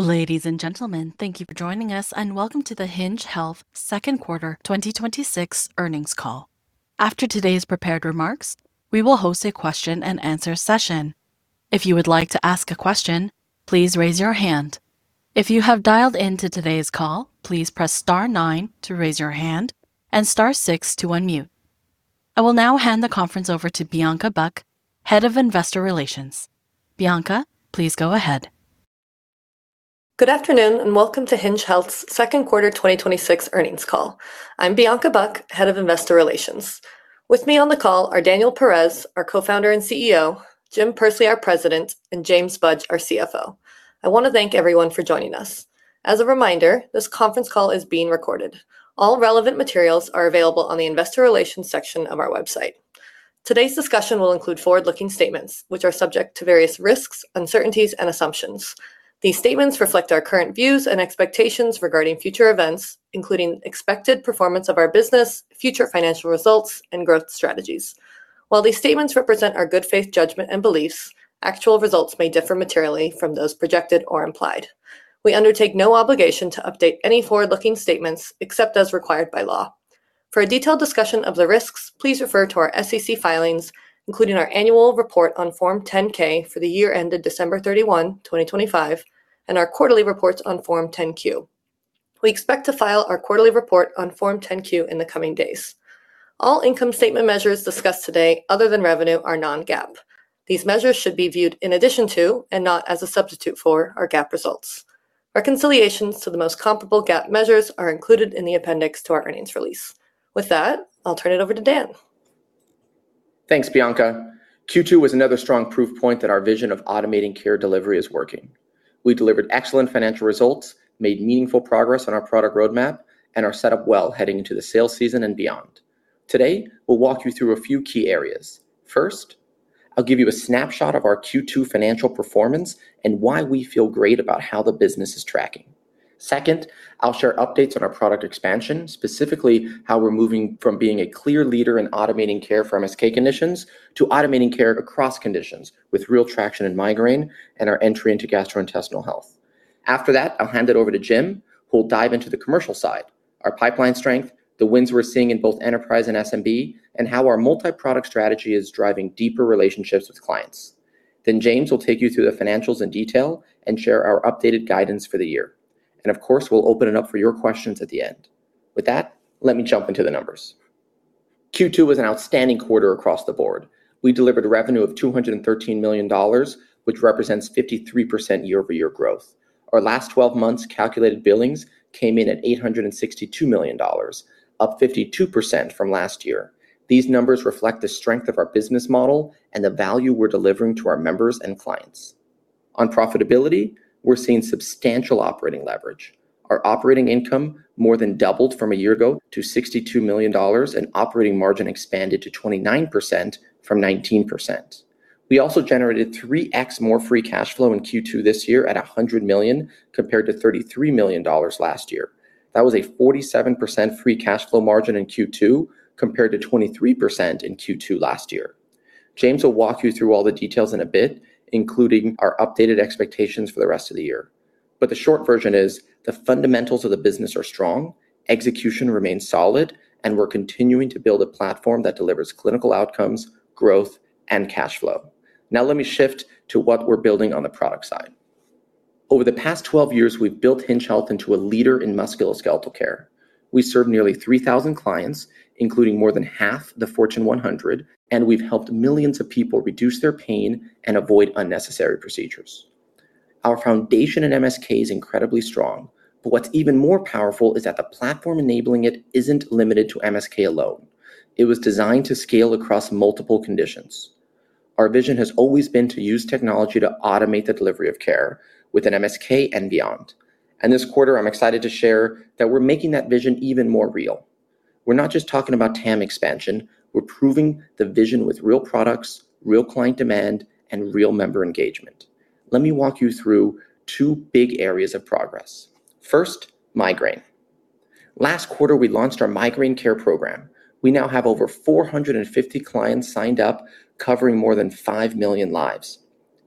Ladies and gentlemen, thank you for joining us, and welcome to the Hinge Health second quarter 2026 earnings call. After today's prepared remarks, we will host a question and answer session. If you would like to ask a question, please raise your hand. If you have dialed into today's call, please press star nine to raise your hand and star six to unmute. I will now hand the conference over to Bianca Buck, Head of Investor Relations. Bianca, please go ahead. Good afternoon. Welcome to Hinge Health's second quarter 2026 earnings call. I'm Bianca Buck, Head of Investor Relations. With me on the call are Daniel Perez, our Co-Founder and CEO, Jim Pursley, our President, and James Budge, our CFO. I want to thank everyone for joining us. As a reminder, this conference call is being recorded. All relevant materials are available on the Investor Relations section of our website. Today's discussion will include forward-looking statements which are subject to various risks, uncertainties, and assumptions. These statements reflect our current views and expectations regarding future events, including expected performance of our business, future financial results, and growth strategies. While these statements represent our good faith judgment and beliefs, actual results may differ materially from those projected or implied. We undertake no obligation to update any forward-looking statements except as required by law. For a detailed discussion of the risks, please refer to our SEC filings, including our annual report on Form 10-K for the year ended December 31, 2025, and our quarterly reports on Form 10-Q. We expect to file our quarterly report on Form 10-Q in the coming days. All income statement measures discussed today, other than revenue, are non-GAAP. These measures should be viewed in addition to and not as a substitute for our GAAP results. Reconciliations to the most comparable GAAP measures are included in the appendix to our earnings release. With that, I'll turn it over to Dan. Thanks, Bianca. Q2 was another strong proof point that our vision of automating care delivery is working. We delivered excellent financial results, made meaningful progress on our product roadmap, and are set up well heading into the sales season and beyond. Today, we'll walk you through a few key areas. First, I'll give you a snapshot of our Q2 financial performance and why we feel great about how the business is tracking. Second, I'll share updates on our product expansion, specifically how we're moving from being a clear leader in automating care for MSK conditions to automating care across conditions with real traction in migraine and our entry into gastrointestinal health. After that, I'll hand it over to Jim, who will dive into the commercial side: our pipeline strength, the wins we're seeing in both enterprise and SMB, and how our multi-product strategy is driving deeper relationships with clients. James will take you through the financials in detail and share our updated guidance for the year. Of course, we'll open it up for your questions at the end. With that, let me jump into the numbers. Q2 was an outstanding quarter across the board. We delivered revenue of $213 million, which represents 53% year-over-year growth. Our last 12 months calculated billings came in at $862 million, up 52% from last year. These numbers reflect the strength of our business model and the value we're delivering to our members and clients. On profitability, we're seeing substantial operating leverage. Our operating income more than doubled from a year ago to $62 million, and operating margin expanded to 29% from 19%. We also generated 3x more free cash flow in Q2 this year at $100 million, compared to $33 million last year. That was a 47% free cash flow margin in Q2 compared to 23% in Q2 last year. James will walk you through all the details in a bit, including our updated expectations for the rest of the year. The short version is the fundamentals of the business are strong, execution remains solid, and we're continuing to build a platform that delivers clinical outcomes, growth, and cash flow. Let me shift to what we're building on the product side. Over the past 12 years, we've built Hinge Health into a leader in musculoskeletal care. We serve nearly 3,000 clients, including more than half the Fortune 100, and we've helped millions of people reduce their pain and avoid unnecessary procedures. Our foundation in MSK is incredibly strong. What's even more powerful is that the platform enabling it isn't limited to MSK alone. It was designed to scale across multiple conditions. Our vision has always been to use technology to automate the delivery of care within MSK and beyond. This quarter, I'm excited to share that we're making that vision even more real. We're not just talking about TAM expansion, we're proving the vision with real products, real client demand, and real member engagement. Let me walk you through two big areas of progress. First, Migraine. Last quarter, we launched our Migraine Care Program. We now have over 450 clients signed up, covering more than 5 million lives.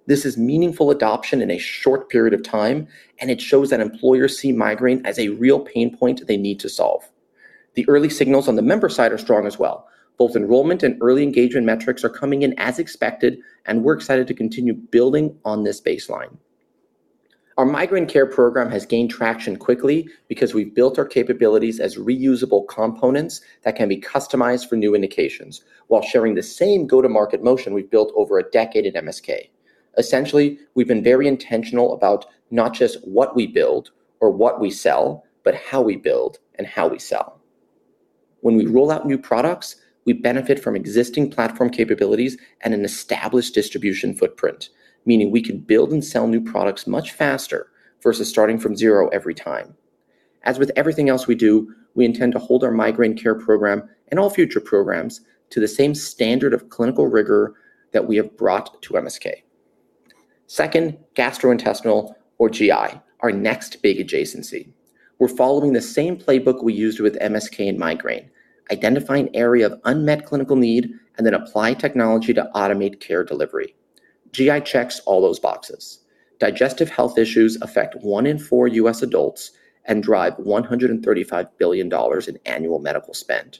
This is meaningful adoption in a short period of time, and it shows that employers see migraine as a real pain point they need to solve. The early signals on the member side are strong as well. Both enrollment and early engagement metrics are coming in as expected. We're excited to continue building on this baseline. Our Migraine Care Program has gained traction quickly because we've built our capabilities as reusable components that can be customized for new indications while sharing the same go-to-market motion we've built over a decade at MSK. Essentially, we've been very intentional about not just what we build or what we sell, but how we build and how we sell. When we roll out new products, we benefit from existing platform capabilities and an established distribution footprint, meaning we can build and sell new products much faster versus starting from zero every time. As with everything else we do, we intend to hold our Migraine Care Program and all future programs to the same standard of clinical rigor that we have brought to MSK. Second, gastrointestinal or GI, our next big adjacency. We're following the same playbook we used with MSK and Migraine, identifying area of unmet clinical need and then applying technology to automate care delivery. GI checks all those boxes. Digestive health issues affect one in four U.S. adults and drive $135 billion in annual medical spend.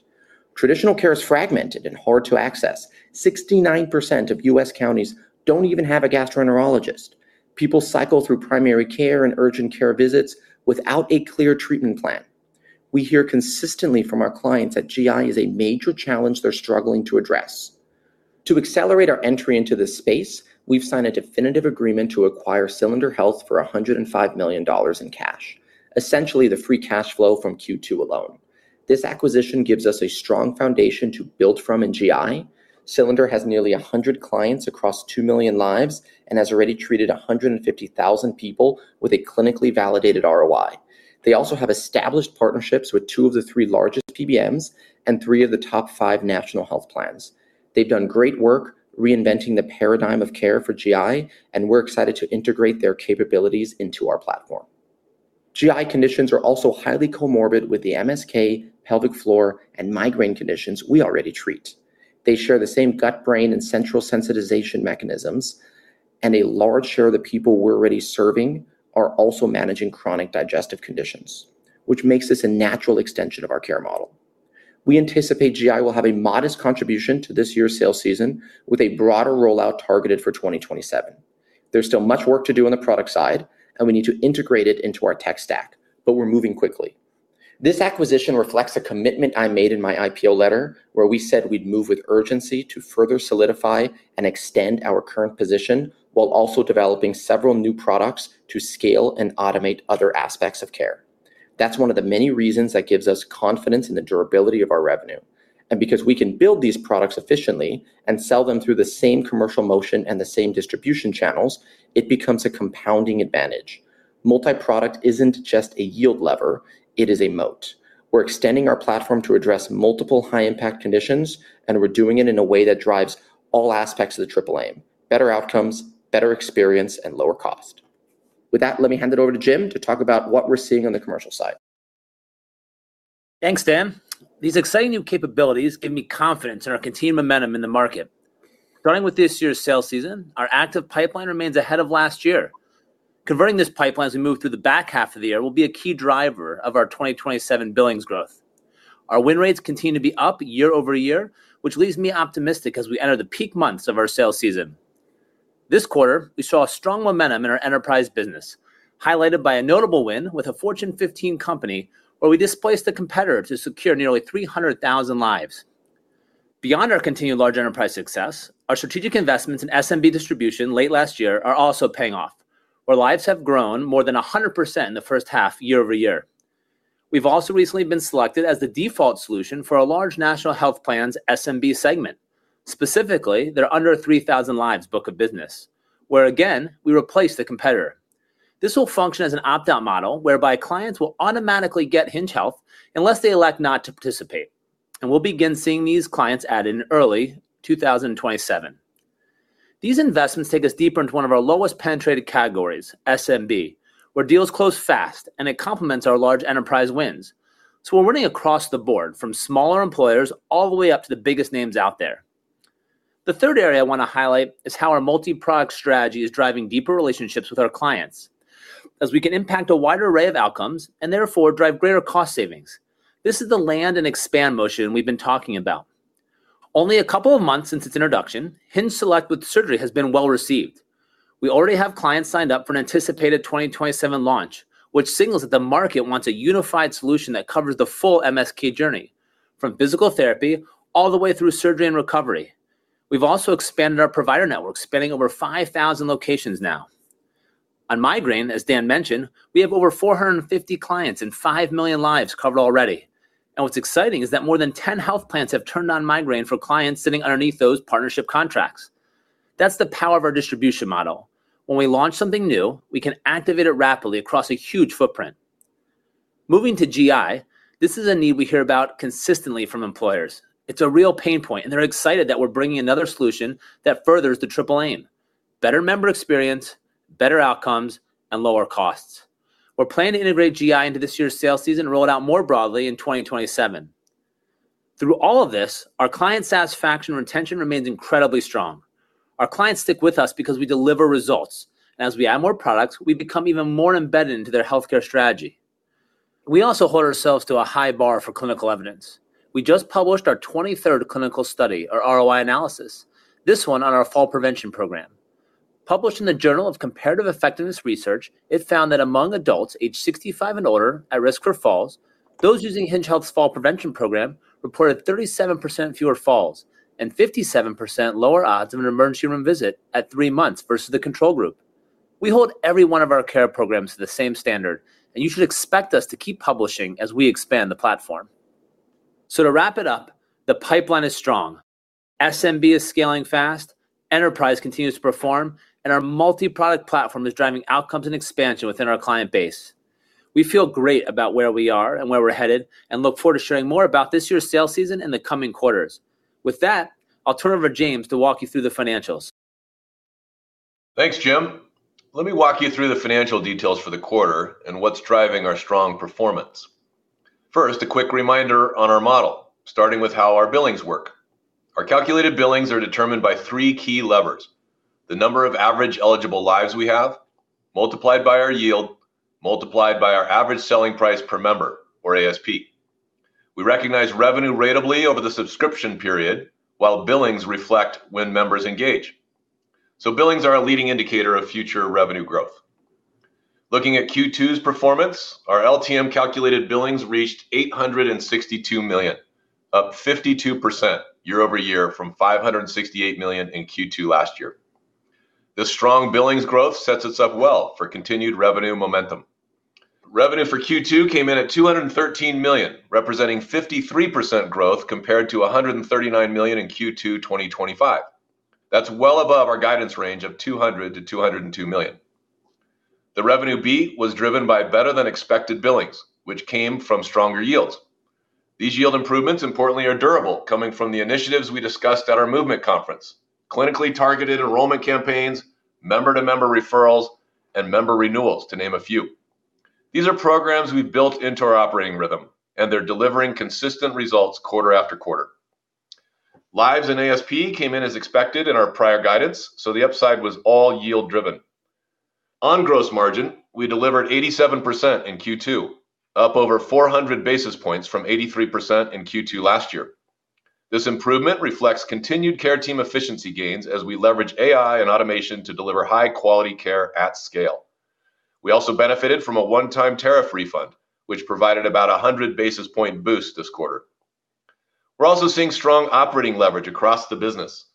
Traditional care is fragmented and hard to access. 69% of U.S. counties don't even have a gastroenterologist. People cycle through primary care and urgent care visits without a clear treatment plan. We hear consistently from our clients that GI is a major challenge they're struggling to address. To accelerate our entry into this space, we've signed a definitive agreement to acquire Cylinder Health for $105 million in cash, essentially the free cash flow from Q2 alone. This acquisition gives us a strong foundation to build from in GI. Cylinder has nearly 100 clients across 2 million lives and has already treated 150,000 people with a clinically validated ROI. They also have established partnerships with two of the three largest PBMs and three of the top five national health plans. They've done great work reinventing the paradigm of care for GI, and we're excited to integrate their capabilities into our platform. GI conditions are also highly comorbid with the MSK, pelvic floor, and migraine conditions we already treat. They share the same gut, brain, and central sensitization mechanisms, and a large share of the people we're already serving are also managing chronic digestive conditions, which makes this a natural extension of our care model. We anticipate GI will have a modest contribution to this year's sales season, with a broader rollout targeted for 2027. There's still much work to do on the product side. We need to integrate it into our tech stack, but we're moving quickly. This acquisition reflects a commitment I made in my IPO letter, where we said we'd move with urgency to further solidify and extend our current position while also developing several new products to scale and automate other aspects of care. That's one of the many reasons that gives us confidence in the durability of our revenue. Because we can build these products efficiently and sell them through the same commercial motion and the same distribution channels, it becomes a compounding advantage. Multi-product isn't just a yield lever, it is a moat. We're extending our platform to address multiple high-impact conditions, and we're doing it in a way that drives all aspects of the triple aim: better outcomes, better experience, and lower cost. With that, let me hand it over to Jim to talk about what we're seeing on the commercial side. Thanks, Dan. With this year's sales season, our active pipeline remains ahead of last year. Converting this pipeline as we move through the back half of the year will be a key driver of our 2027 billings growth. Our win rates continue to be up year-over-year, which leaves me optimistic as we enter the peak months of our sales season. This quarter, we saw strong momentum in our enterprise business, highlighted by a notable win with a Fortune 15 company where we displaced a competitor to secure nearly 300,000 lives. Beyond our continued large enterprise success, our strategic investments in SMB distribution late last year are also paying off. Our lives have grown more than 100% in the first half year-over-year. We've also recently been selected as the default solution for a large national health plan's SMB segment, specifically their under 3,000 lives book of business, where again, we replaced a competitor. This will function as an opt-out model whereby clients will automatically get Hinge Health unless they elect not to participate. We'll begin seeing these clients added in early 2027. These investments take us deeper into one of our lowest penetrated categories, SMB, where deals close fast, and it complements our large enterprise wins. We're winning across the board from smaller employers all the way up to the biggest names out there. The third area I want to highlight is how our multi-product strategy is driving deeper relationships with our clients as we can impact a wider array of outcomes and therefore drive greater cost savings. This is the land and expand motion we've been talking about. Only a couple of months since its introduction, HingeSelect with surgery has been well-received. We already have clients signed up for an anticipated 2027 launch, which signals that the market wants a unified solution that covers the full MSK journey, from physical therapy all the way through surgery and recovery. We've also expanded our provider network, spanning over 5,000 locations now. On Migraine, as Dan mentioned, we have over 450 clients and 5 million lives covered already. What's exciting is that more than 10 health plans have turned on Migraine for clients sitting underneath those partnership contracts. That's the power of our distribution model. When we launch something new, we can activate it rapidly across a huge footprint. Moving to GI, this is a need we hear about consistently from employers. It's a real pain point, they're excited that we're bringing another solution that furthers the triple aim: better member experience, better outcomes, and lower costs. We're planning to integrate GI into this year's sales season and roll it out more broadly in 2027. Through all of this, our client satisfaction retention remains incredibly strong. Our clients stick with us because we deliver results. As we add more products, we become even more embedded into their healthcare strategy. We also hold ourselves to a high bar for clinical evidence. We just published our 23rd clinical study, our ROI analysis, this one on our fall prevention program. Published in the Journal of Comparative Effectiveness Research, it found that among adults aged 65 and older at risk for falls, those using Hinge Health's fall prevention program reported 37% fewer falls and 57% lower odds of an emergency room visit at three months versus the control group. We hold every one of our Care Programs to the same standard, and you should expect us to keep publishing as we expand the platform. The pipeline is strong, SMB is scaling fast, enterprise continues to perform, and our multi-product platform is driving outcomes and expansion within our client base. We feel great about where we are and where we're headed and look forward to sharing more about this year's sales season in the coming quarters. With that, I'll turn it over to James to walk you through the financials. Thanks, Jim. Let me walk you through the financial details for the quarter and what's driving our strong performance. First, a quick reminder on our model, starting with how our billings work. Our calculated billings are determined by three key levers, the number of average eligible lives we have, multiplied by our yield, multiplied by our average selling price per member, or ASP. We recognize revenue ratably over the subscription period while billings reflect when members engage. Billings are a leading indicator of future revenue growth. Looking at Q2's performance, our LTM calculated billings reached $862 million, up 52% year-over-year from $568 million in Q2 last year. This strong billings growth sets us up well for continued revenue momentum. Revenue for Q2 came in at $213 million, representing 53% growth compared to $139 million in Q2 2025. That's well above our guidance range of $200 million-$202 million. The revenue beat was driven by better than expected billings, which came from stronger yields. These yield improvements, importantly, are durable, coming from the initiatives we discussed at our Movement conference, clinically targeted enrollment campaigns, member-to-member referrals, and member renewals, to name a few. These are programs we've built into our operating rhythm, and they're delivering consistent results quarter after quarter. Lives and ASP came in as expected in our prior guidance, so the upside was all yield driven. On gross margin, we delivered 87% in Q2, up over 400 basis points from 83% in Q2 last year. This improvement reflects continued care team efficiency gains as we leverage AI and automation to deliver high-quality care at scale. We also benefited from a one-time tariff refund, which provided about 100 basis point boost this quarter. We're also seeing strong operating leverage across the business.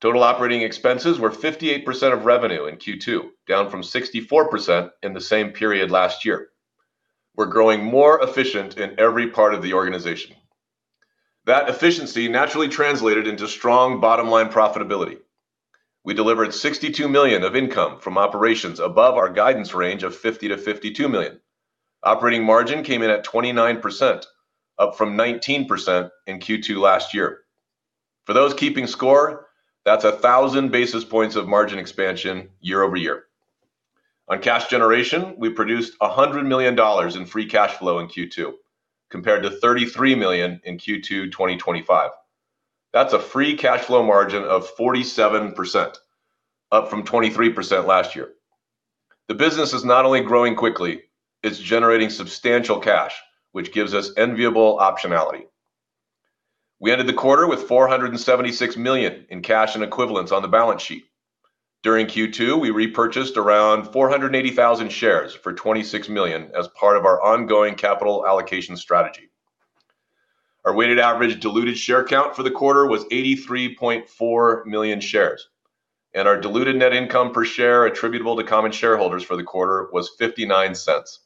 Total operating expenses were 58% of revenue in Q2, down from 64% in the same period last year. We're growing more efficient in every part of the organization. That efficiency naturally translated into strong bottom-line profitability. We delivered $62 million of income from operations above our guidance range of $50 million-$52 million. Operating margin came in at 29%, up from 19% in Q2 last year. For those keeping score, that's 1,000 basis points of margin expansion year-over-year. On cash generation, we produced $100 million in free cash flow in Q2, compared to $33 million in Q2 2025. That's a free cash flow margin of 47%, up from 23% last year. The business is not only growing quickly, it's generating substantial cash, which gives us enviable optionality. We ended the quarter with $476 million in cash and equivalents on the balance sheet. During Q2, we repurchased around 480,000 shares for $26 million as part of our ongoing capital allocation strategy. Our weighted average diluted share count for the quarter was 83.4 million shares, and our diluted net income per share attributable to common shareholders for the quarter was $0.59.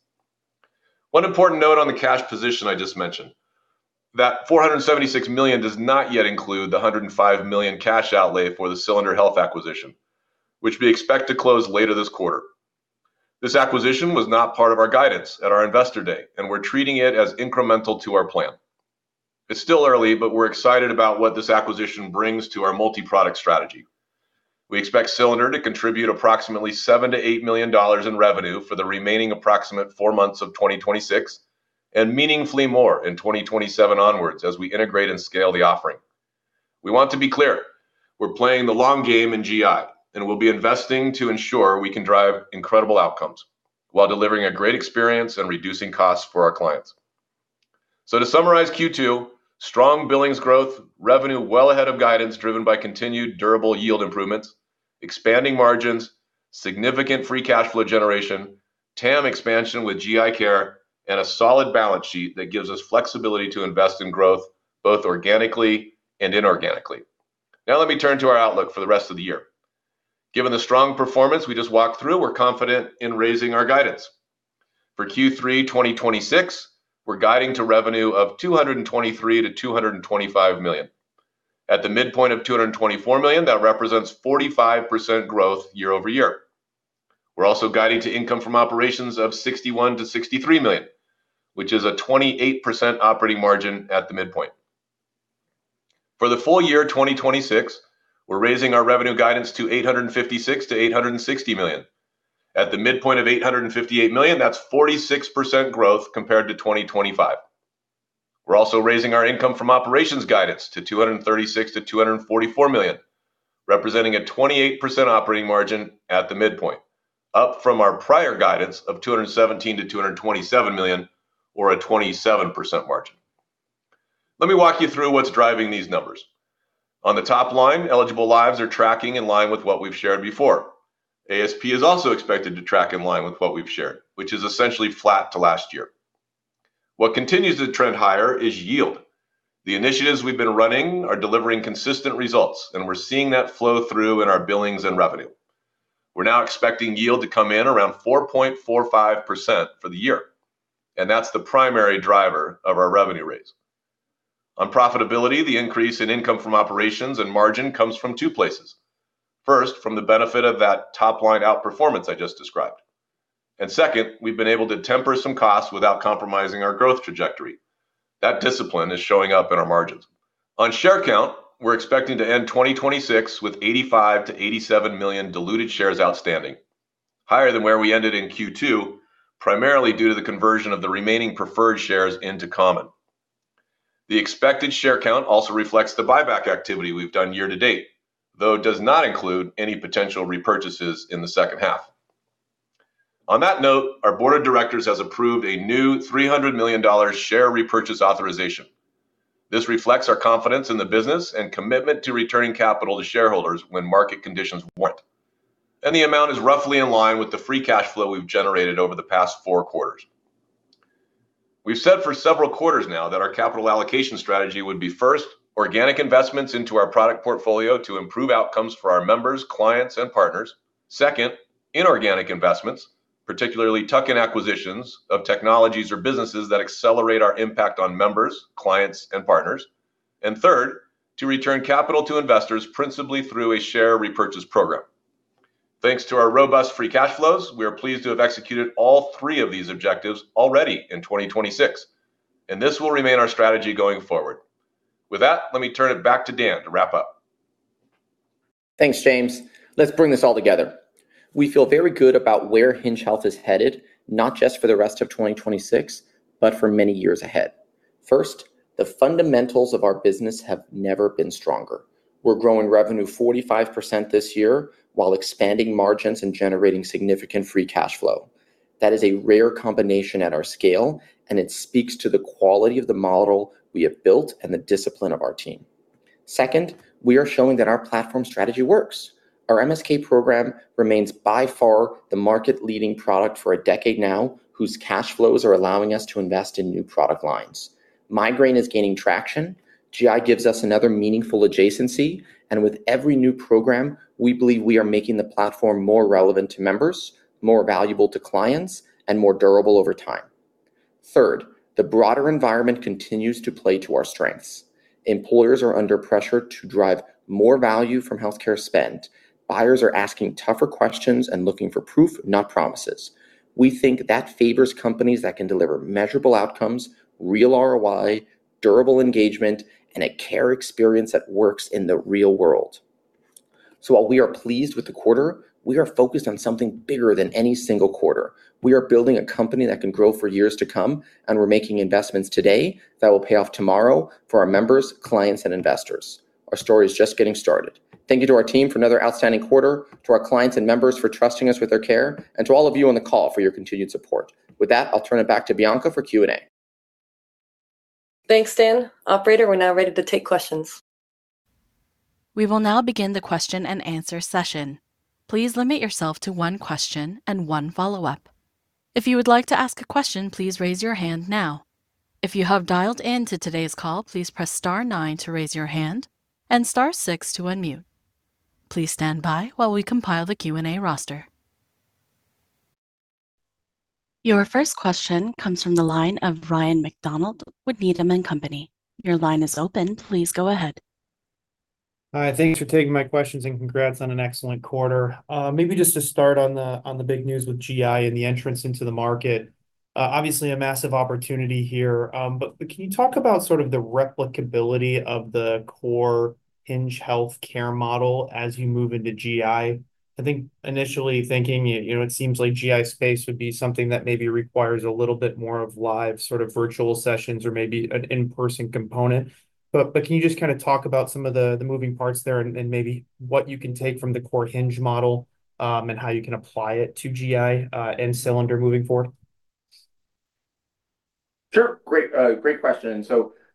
One important note on the cash position I just mentioned. That $476 million does not yet include the $105 million cash outlay for the Cylinder Health acquisition, which we expect to close later this quarter. This acquisition was not part of our guidance at our Investor Day, and we're treating it as incremental to our plan. It's still early, but we're excited about what this acquisition brings to our multi-product strategy. We expect Cylinder to contribute approximately $7 million-$8 million in revenue for the remaining approximate four months of 2026, and meaningfully more in 2027 onwards as we integrate and scale the offering. We want to be clear, we're playing the long game in GI, and we'll be investing to ensure we can drive incredible outcomes while delivering a great experience and reducing costs for our clients. To summarize Q2, strong billings growth, revenue well ahead of guidance driven by continued durable yield improvements, expanding margins, significant free cash flow generation, TAM expansion with GI care, and a solid balance sheet that gives us flexibility to invest in growth both organically and inorganically. Let me turn to our outlook for the rest of the year. Given the strong performance we just walked through, we're confident in raising our guidance. For Q3 2026, we're guiding to revenue of $223 million-$225 million. At the midpoint of $224 million, that represents 45% growth year-over-year. We're also guiding to income from operations of $61 million-$63 million, which is a 28% operating margin at the midpoint. For the full-year 2026, we're raising our revenue guidance to $856 million-$860 million. At the midpoint of $858 million, that's 46% growth compared to 2025. We're also raising our income from operations guidance to $236 million-$244 million, representing a 28% operating margin at the midpoint, up from our prior guidance of $217 million-$227 million or a 27% margin. Let me walk you through what's driving these numbers. On the top line, eligible lives are tracking in line with what we've shared before. ASP is also expected to track in line with what we've shared, which is essentially flat to last year. What continues to trend higher is yield. The initiatives we've been running are delivering consistent results, and we're seeing that flow through in our billings and revenue. We're now expecting yield to come in around 4.45% for the year, and that's the primary driver of our revenue raise. On profitability, the increase in income from operations and margin comes from two places. First, from the benefit of that top-line outperformance I just described. Second, we've been able to temper some costs without compromising our growth trajectory. That discipline is showing up in our margins. On share count, we're expecting to end 2026 with 85 million-87 million diluted shares outstanding, higher than where we ended in Q2, primarily due to the conversion of the remaining preferred shares into common. The expected share count also reflects the buyback activity we've done year to date, though it does not include any potential repurchases in the second half. On that note, our board of directors has approved a new $300 million share repurchase authorization. This reflects our confidence in the business and commitment to returning capital to shareholders when market conditions warrant. The amount is roughly in line with the free cash flow we've generated over the past four quarters. We've said for several quarters now that our capital allocation strategy would be, first, organic investments into our product portfolio to improve outcomes for our members, clients, and partners. Second, inorganic investments, particularly tuck-in acquisitions of technologies or businesses that accelerate our impact on members, clients, and partners. Third, to return capital to investors principally through a share repurchase program. Thanks to our robust free cash flows, we are pleased to have executed all three of these objectives already in 2026. This will remain our strategy going forward. With that, let me turn it back to Dan to wrap up. Thanks, James. Let's bring this all together. We feel very good about where Hinge Health is headed, not just for the rest of 2026, but for many years ahead. First, the fundamentals of our business have never been stronger. We're growing revenue 45% this year while expanding margins and generating significant free cash flow. That is a rare combination at our scale, and it speaks to the quality of the model we have built and the discipline of our team. Second, we are showing that our platform strategy works. Our MSK program remains by far the market leading product for a decade now, whose cash flows are allowing us to invest in new product lines. Migraine is gaining traction. GI gives us another meaningful adjacency. With every new program, we believe we are making the platform more relevant to members, more valuable to clients, and more durable over time. Third, the broader environment continues to play to our strengths. Employers are under pressure to drive more value from healthcare spend. Buyers are asking tougher questions and looking for proof, not promises. We think that favors companies that can deliver measurable outcomes, real ROI, durable engagement, and a care experience that works in the real world. While we are pleased with the quarter, we are focused on something bigger than any single quarter. We are building a company that can grow for years to come, and we're making investments today that will pay off tomorrow for our members, clients, and investors. Our story is just getting started. Thank you to our team for another outstanding quarter, to our clients and members for trusting us with their care, and to all of you on the call for your continued support. With that, I'll turn it back to Bianca for Q and A. Thanks, Dan. Operator, we're now ready to take questions. We will now begin the question and answer session. Please limit yourself to one question and one follow-up. If you would like to ask a question, please raise your hand now. If you have dialed in to today's call, please press star nine to raise your hand and star six to unmute. Please stand by while we compile the Q and A roster. Your first question comes from the line of Ryan MacDonald with Needham & Company. Your line is open. Please go ahead. Hi. Thank you for taking my questions, congrats on an excellent quarter. Maybe just to start on the big news with GI and the entrance into the market. Obviously, a massive opportunity here. Can you talk about sort of the replicability of the core Hinge Health care model as you move into GI? I think initially thinking, it seems like GI space would be something that maybe requires a little bit more of live sort of virtual sessions or maybe an in-person component. Can you just kind of talk about some of the moving parts there and maybe what you can take from the core Hinge model, and how you can apply it to GI, and Cylinder moving forward? Sure. Great question.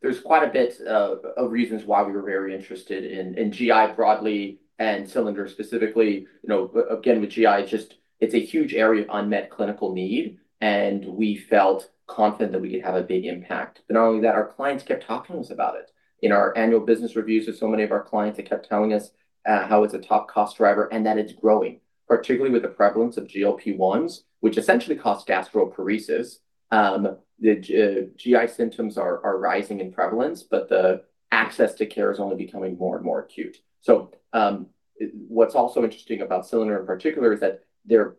There's quite a bit of reasons why we were very interested in GI broadly and Cylinder specifically. Again, with GI, it's a huge area of unmet clinical need, and we felt confident that we could have a big impact. Not only that, our clients kept talking to us about it. In our annual business reviews with so many of our clients, they kept telling us how it's a top cost driver and that it's growing, particularly with the prevalence of GLP-1s, which essentially cause gastroparesis. The GI symptoms are rising in prevalence, the access to care is only becoming more and more acute. What's also interesting about Cylinder in particular is that their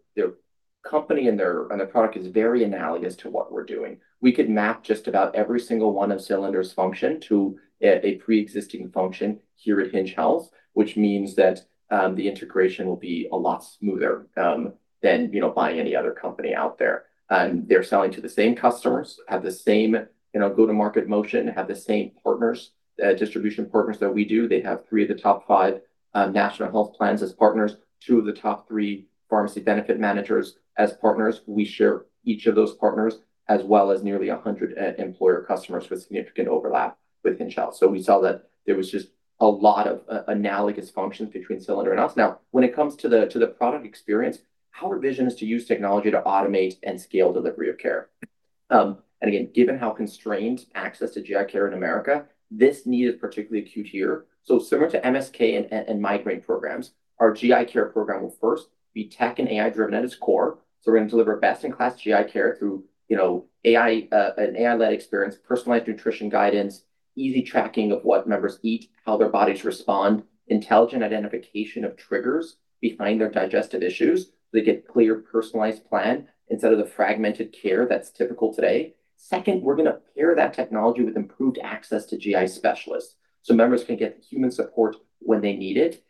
company and their product is very analogous to what we're doing. We could map just about every single one of Cylinder's function to a preexisting function here at Hinge Health, which means that the integration will be a lot smoother than by any other company out there. They're selling to the same customers, have the same go-to-market motion, have the same partners, distribution partners that we do. They have three of the top five national health plans as partners, two of the top three Pharmacy Benefit Managers as partners. We share each of those partners as well as nearly 100 employer customers with significant overlap with Hinge Health. We saw that there was just a lot of analogous functions between Cylinder and us. When it comes to the product experience, our vision is to use technology to automate and scale delivery of care. Again, given how constrained access to GI care in America, this need is particularly acute here. Similar to MSK and Migraine programs, our GI Care Program will first be tech and AI driven at its core. We're going to deliver best in class GI care through an AI-led experience, personalized nutrition guidance, easy tracking of what members eat, how their bodies respond, intelligent identification of triggers behind their digestive issues, so they get clear, personalized plan instead of the fragmented care that's typical today. Second, we're going to pair that technology with improved access to GI specialists so members can get human support when they need it.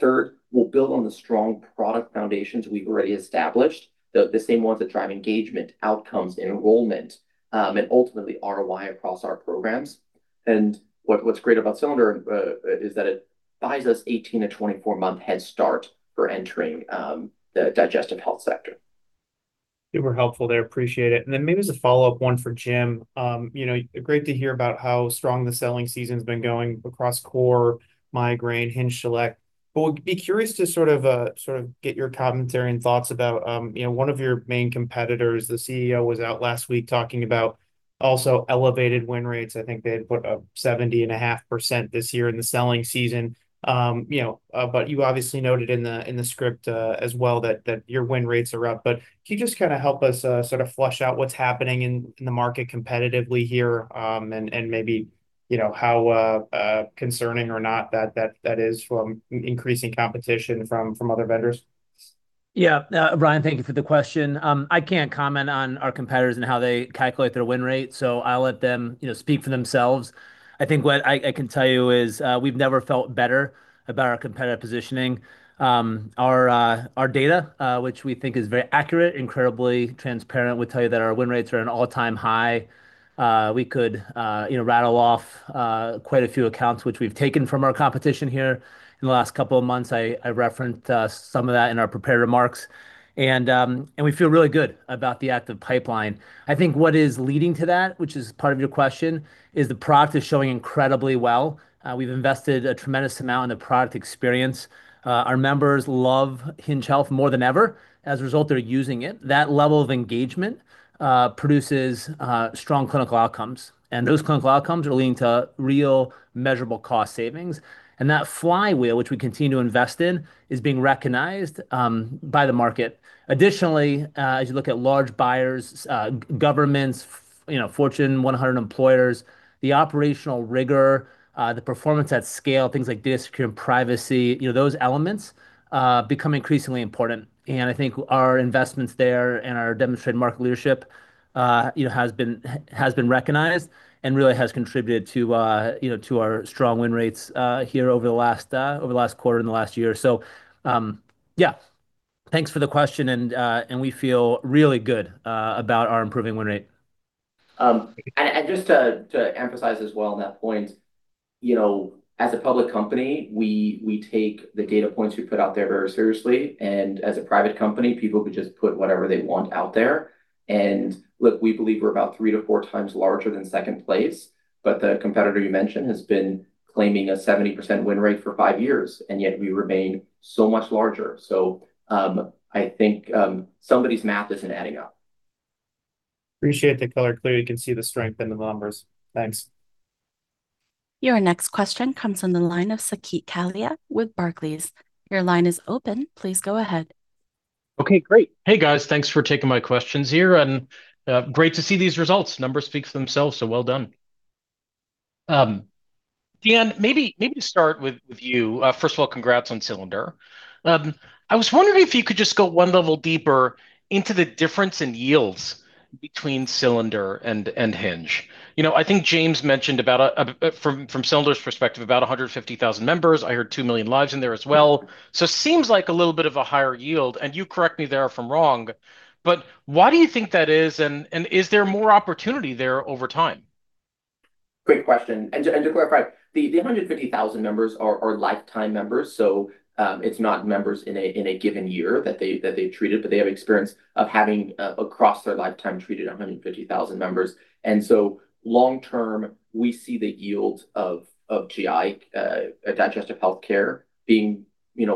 Third, we'll build on the strong product foundations we've already established, the same ones that drive engagement, outcomes, enrollment, and ultimately ROI across our programs. What's great about Cylinder is that it buys us 18-24-month head start for entering the digestive health sector. Super helpful there. Appreciate it. Then maybe as a follow up one for Jim. Great to hear about how strong the selling season's been going across core Migraine, HingeSelect. We'll be curious to sort of get your commentary and thoughts about one of your main competitors, the CEO was out last week talking about also elevated win rates. I think they had put up 70.5% this year in the selling season. You obviously noted in the script, as well that your win rates are up, but can you just help us sort of flush out what's happening in the market competitively here? Maybe, how concerning or not that is from increasing competition from other vendors? Yeah. Brian, thank you for the question. I can't comment on our competitors and how they calculate their win rate, so I'll let them speak for themselves. I think what I can tell you is, we've never felt better about our competitive positioning. Our data, which we think is very accurate, incredibly transparent, would tell you that our win rates are at an all-time high. We could rattle off quite a few accounts, which we've taken from our competition here in the last couple of months. I referenced some of that in our prepared remarks. We feel really good about the active pipeline. I think what is leading to that, which is part of your question, is the product is showing incredibly well. We've invested a tremendous amount in the product experience. Our members love Hinge Health more than ever. As a result, they're using it. That level of engagement produces strong clinical outcomes, and those clinical outcomes are leading to real measurable cost savings. That flywheel, which we continue to invest in, is being recognized by the market. Additionally, as you look at large buyers, governments, Fortune 100 employers, the operational rigor, the performance at scale, things like data security and privacy, those elements become increasingly important. I think our investments there and our demonstrated market leadership has been recognized and really has contributed to our strong win rates here over the last quarter and the last year. Yeah. Thanks for the question and we feel really good about our improving win rate. Just to emphasize as well on that point, as a public company, we take the data points we put out there very seriously. As a private company, people could just put whatever they want out there. Look, we believe we're about three to four times larger than second place, but the competitor you mentioned has been claiming a 70% win rate for five years, and yet we remain so much larger. I think somebody's math isn't adding up. Appreciate the color. Clearly you can see the strength in the numbers. Thanks. Your next question comes from the line of Saket Kalia with Barclays. Your line is open. Please go ahead. Okay, great. Hey guys. Thanks for taking my questions here and great to see these results. Numbers speak for themselves, well done. Dan, maybe to start with you. First of all, congrats on Cylinder. I was wondering if you could just go one level deeper into the difference in yields between Cylinder and Hinge. I think James mentioned about, from Cylinder’s perspective, about 150,000 members. I heard 2 million lives in there as well. Seems like a little bit of a higher yield, and you correct me there if I'm wrong, but why do you think that is? Is there more opportunity there over time? Great question. To clarify, the 150,000 members are lifetime members. It's not members in a given year that they've treated, but they have experience of having, across their lifetime, treated 150,000 members. Long term, we see the yield of GI digestive healthcare being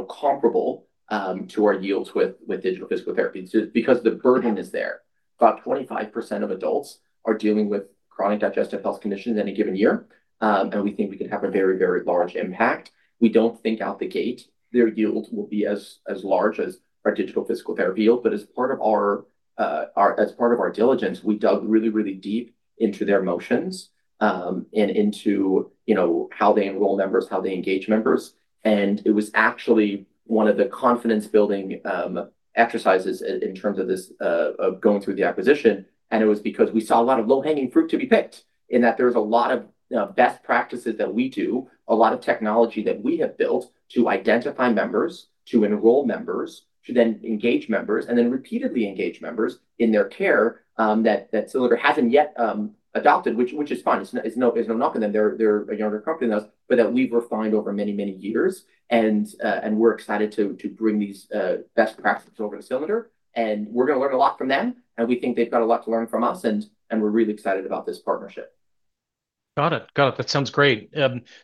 comparable to our yields with digital physical therapy. Because the burden is there. About 25% of adults are dealing with chronic digestive health conditions any given year. We think we can have a very, very large impact. We don't think out the gate their yield will be as large as our digital physical therapy yield. As part of our diligence, we dug really, really deep into their motions, and into how they enroll members, how they engage members. It was actually one of the confidence building exercises in terms of going through the acquisition. It was because we saw a lot of low hanging fruit to be picked in that there was a lot of best practices that we do, a lot of technology that we have built to identify members, to enroll members, to engage members, repeatedly engage members in their care, that Cylinder hasn't yet adopted, which is fine. It's no knock on them. They're a younger company than us. That we've refined over many, many years. We're excited to bring these best practices over to Cylinder. We're going to learn a lot from them, we think they've got a lot to learn from us. We're really excited about this partnership. Got it. Got it. That sounds great.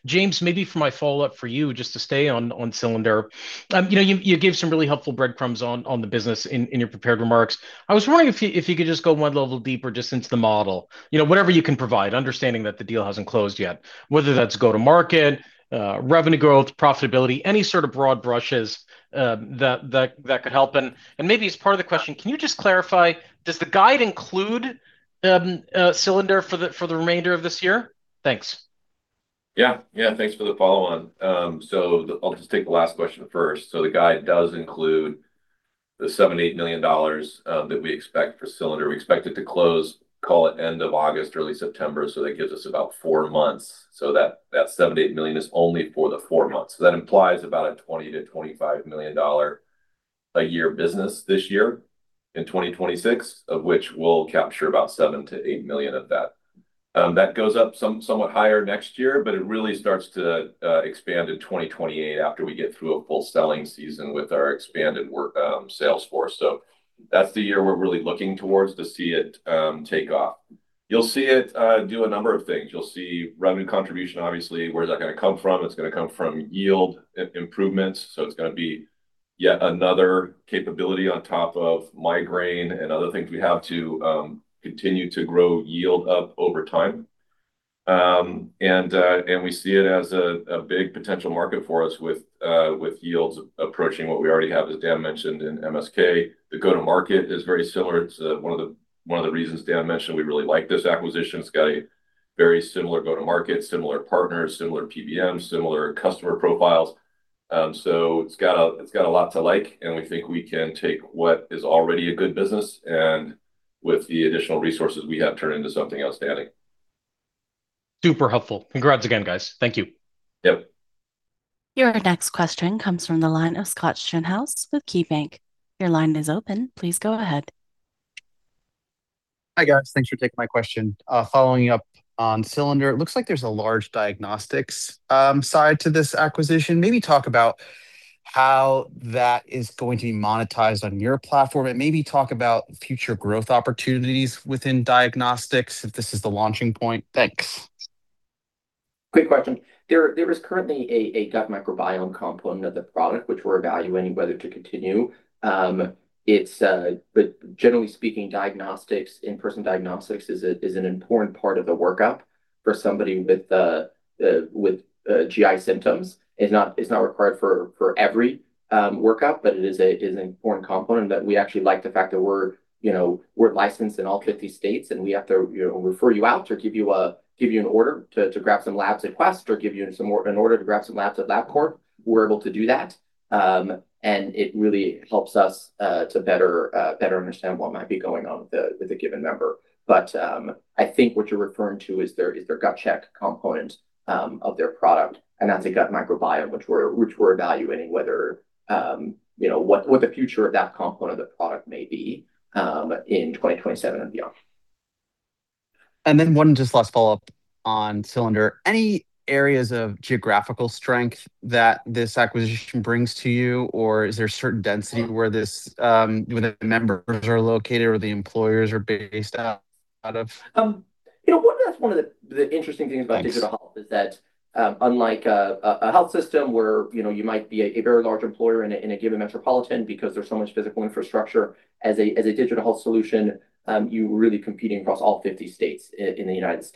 James, maybe for my follow-up for you, just to stay on Cylinder. You gave some really helpful breadcrumbs on the business in your prepared remarks. I was wondering if you could just go one level deeper just into the model. Whatever you can provide, understanding that the deal hasn't closed yet, whether that's go-to-market, revenue growth, profitability, any sort of broad brushes that could help. Maybe as part of the question, can you just clarify, does the guide include Cylinder for the remainder of this year? Thanks. Thanks for the follow-on. I'll just take the last question first. The guide does include the $7 million-$8 million that we expect for Cylinder. We expect it to close, call it, end of August, early September, That gives us about four months. That $7 million-$8 million is only for the four months. That implies about a $20 million-$25 million a year business this year, in 2026, of which we'll capture about $7 million-$8 million of that. It goes up somewhat higher next year, but it really starts to expand in 2028 after we get through a full selling season with our expanded sales force. That's the year we're really looking towards to see it take off. You'll see it do a number of things. You'll see revenue contribution, obviously. Where's that going to come from? It's going to come from yield improvements, It's going to be yet another capability on top of Migraine and other things we have to continue to grow yield up over time. We see it as a big potential market for us with yields approaching what we already have, as Dan mentioned, in MSK. The go-to-market is very similar. It's one of the reasons Dan mentioned we really like this acquisition. It's got a very similar go-to-market, similar partners, similar PBMs, similar customer profiles. It's got a lot to like, and we think we can take what is already a good business and, with the additional resources we have, turn it into something outstanding. Super helpful. Congrats again, guys. Thank you. Yep. Your next question comes from the line of Scott Schoenhaus with KeyBanc. Your line is open. Please go ahead. Hi, guys. Thanks for taking my question. Following up on Cylinder, it looks like there's a large diagnostics side to this acquisition. Maybe talk about how that is going to be monetized on your platform, and maybe talk about future growth opportunities within diagnostics, if this is the launching point. Thanks. Great question. There is currently a gut microbiome component of the product, which we're evaluating whether to continue. Generally speaking, in-person diagnostics is an important part of the workup for somebody with GI symptoms. It's not required for every workup, but it is an important component that we actually like the fact that we're licensed in all 50 states, and we have to refer you out to give you an order to grab some labs at Quest or give you an order to grab some labs at Labcorp. We're able to do that, and it really helps us to better understand what might be going on with a given member. I think what you're referring to is their gut check component of their product, and that's a gut microbiome, which we're evaluating what the future of that component of the product may be in 2027 and beyond. Then one just last follow-up on Cylinder. Any areas of geographical strength that this acquisition brings to you, or is there a certain density where the members are located or the employers are based out of? That's one of the interesting things about digital health is that unlike a health system where you might be a very large employer in a given metropolitan because there's so much physical infrastructure. As a digital health solution, you're really competing across all 50 states in the U.S.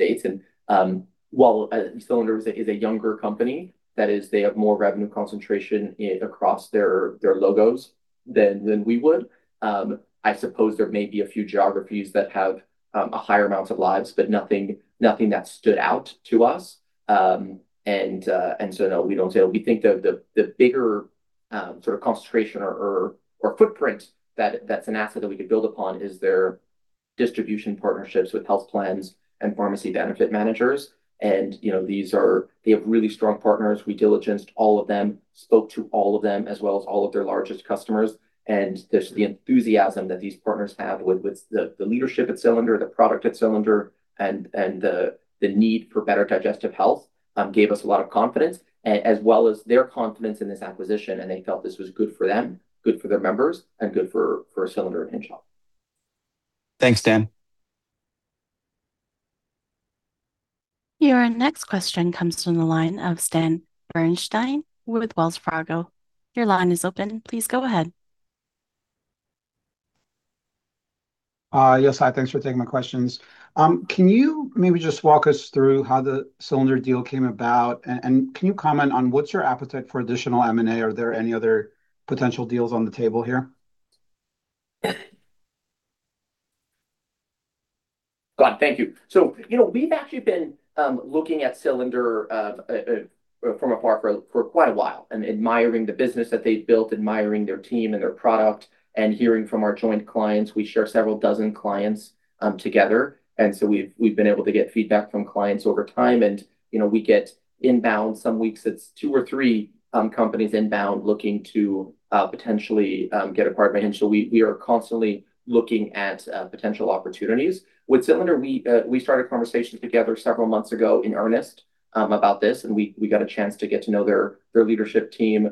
While Cylinder is a younger company, that is, they have more revenue concentration across their logos than we would. I suppose there may be a few geographies that have a higher amount of lives, but nothing that stood out to us. So no, we don't see that. We think the bigger sort of concentration or footprint that's an asset that we could build upon is their distribution partnerships with health plans and pharmacy benefit managers. They have really strong partners. We diligenced all of them, spoke to all of them, as well as all of their largest customers. Just the enthusiasm that these partners have with the leadership at Cylinder, the product at Cylinder, and the need for better digestive health gave us a lot of confidence, as well as their confidence in this acquisition, and they felt this was good for them, good for their members, and good for Cylinder and Hinge Health. Thanks, Dan. Your next question comes from the line of Stan Berenshteyn with Wells Fargo. Your line is open. Please go ahead. Yes. Hi. Thanks for taking my questions. Can you maybe just walk us through how the Cylinder deal came about? Can you comment on what's your appetite for additional M&A? Are there any other potential deals on the table here? Got it. Thank you. We've actually been looking at Cylinder from afar for quite a while and admiring the business that they've built, admiring their team and their product, and hearing from our joint clients. We share several dozen clients together, we've been able to get feedback from clients over time. We get inbound. Some weeks it's two or three companies inbound looking to potentially get a part of Hinge Health. We are constantly looking at potential opportunities. With Cylinder, we started conversations together several months ago in earnest about this, we got a chance to get to know their leadership team.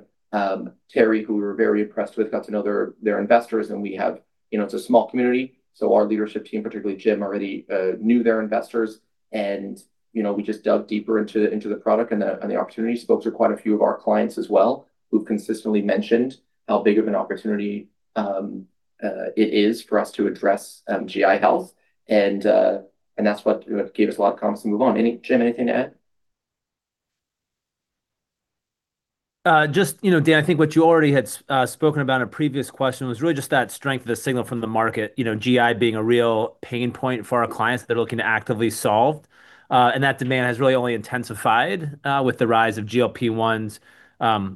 Terry, who we're very impressed with, got to know their investors. It's a small community, so our leadership team, particularly Jim, already knew their investors. We just dug deeper into the product and the opportunity. Spoke to quite a few of our clients as well, who've consistently mentioned how big of an opportunity it is for us to address GI health. That's what gave us a lot of confidence to move on. Jim, anything to add? Dan, I think what you already had spoken about in a previous question was really just that strength of the signal from the market, GI being a real pain point for our clients that are looking to actively solve. That demand has really only intensified with the rise of GLP-1s,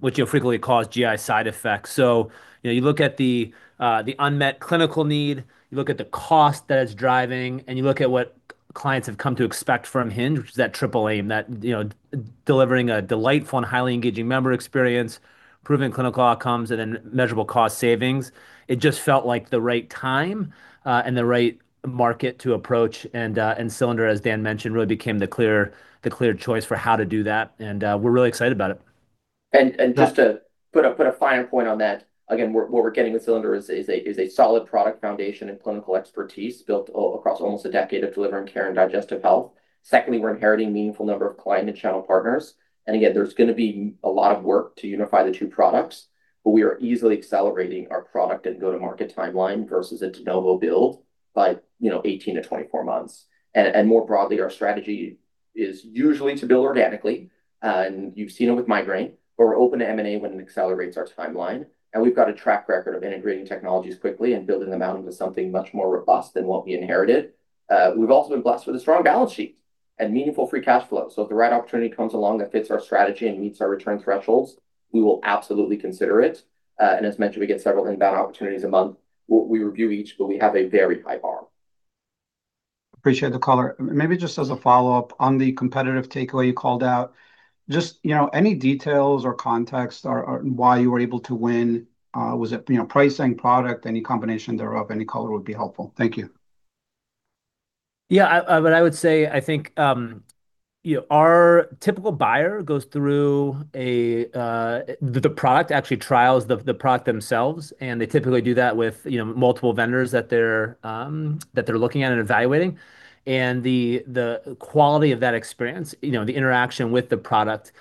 which frequently cause GI side effects. You look at the unmet clinical need, you look at the cost that it's driving, and you look at what clients have come to expect from Hinge, which is that triple aim, that delivering a delightful and highly engaging member experience, proven clinical outcomes, and then measurable cost savings. It just felt like the right time and the right market to approach. Cylinder, as Dan mentioned, really became the clear choice for how to do that, and we're really excited about it. Just to put a finer point on that, again, what we're getting with Cylinder is a solid product foundation and clinical expertise built across almost a decade of delivering care and digestive health. Secondly, we're inheriting a meaningful number of client and channel partners. Again, there's going to be a lot of work to unify the two products, but we are easily accelerating our product and go-to-market timeline versus a de novo build by 18-24 months. More broadly, our strategy is usually to build organically, and you've seen it with Migraine, but we're open to M&A when it accelerates our timeline. We've got a track record of integrating technologies quickly and building them out into something much more robust than what we inherited. We've also been blessed with a strong balance sheet and meaningful free cash flow. If the right opportunity comes along that fits our strategy and meets our return thresholds, we will absolutely consider it. As mentioned, we get several inbound opportunities a month. We review each, but we have a very high bar. Appreciate the color. Maybe just as a follow-up on the competitive takeaway you called out, just any details or context on why you were able to win. Was it pricing, product, any combination thereof? Any color would be helpful. Thank you. Yeah. What I would say, I think our typical buyer goes through the product, actually trials the product themselves, and they typically do that with multiple vendors that they're looking at and evaluating. The quality of that experience, the interaction with the product,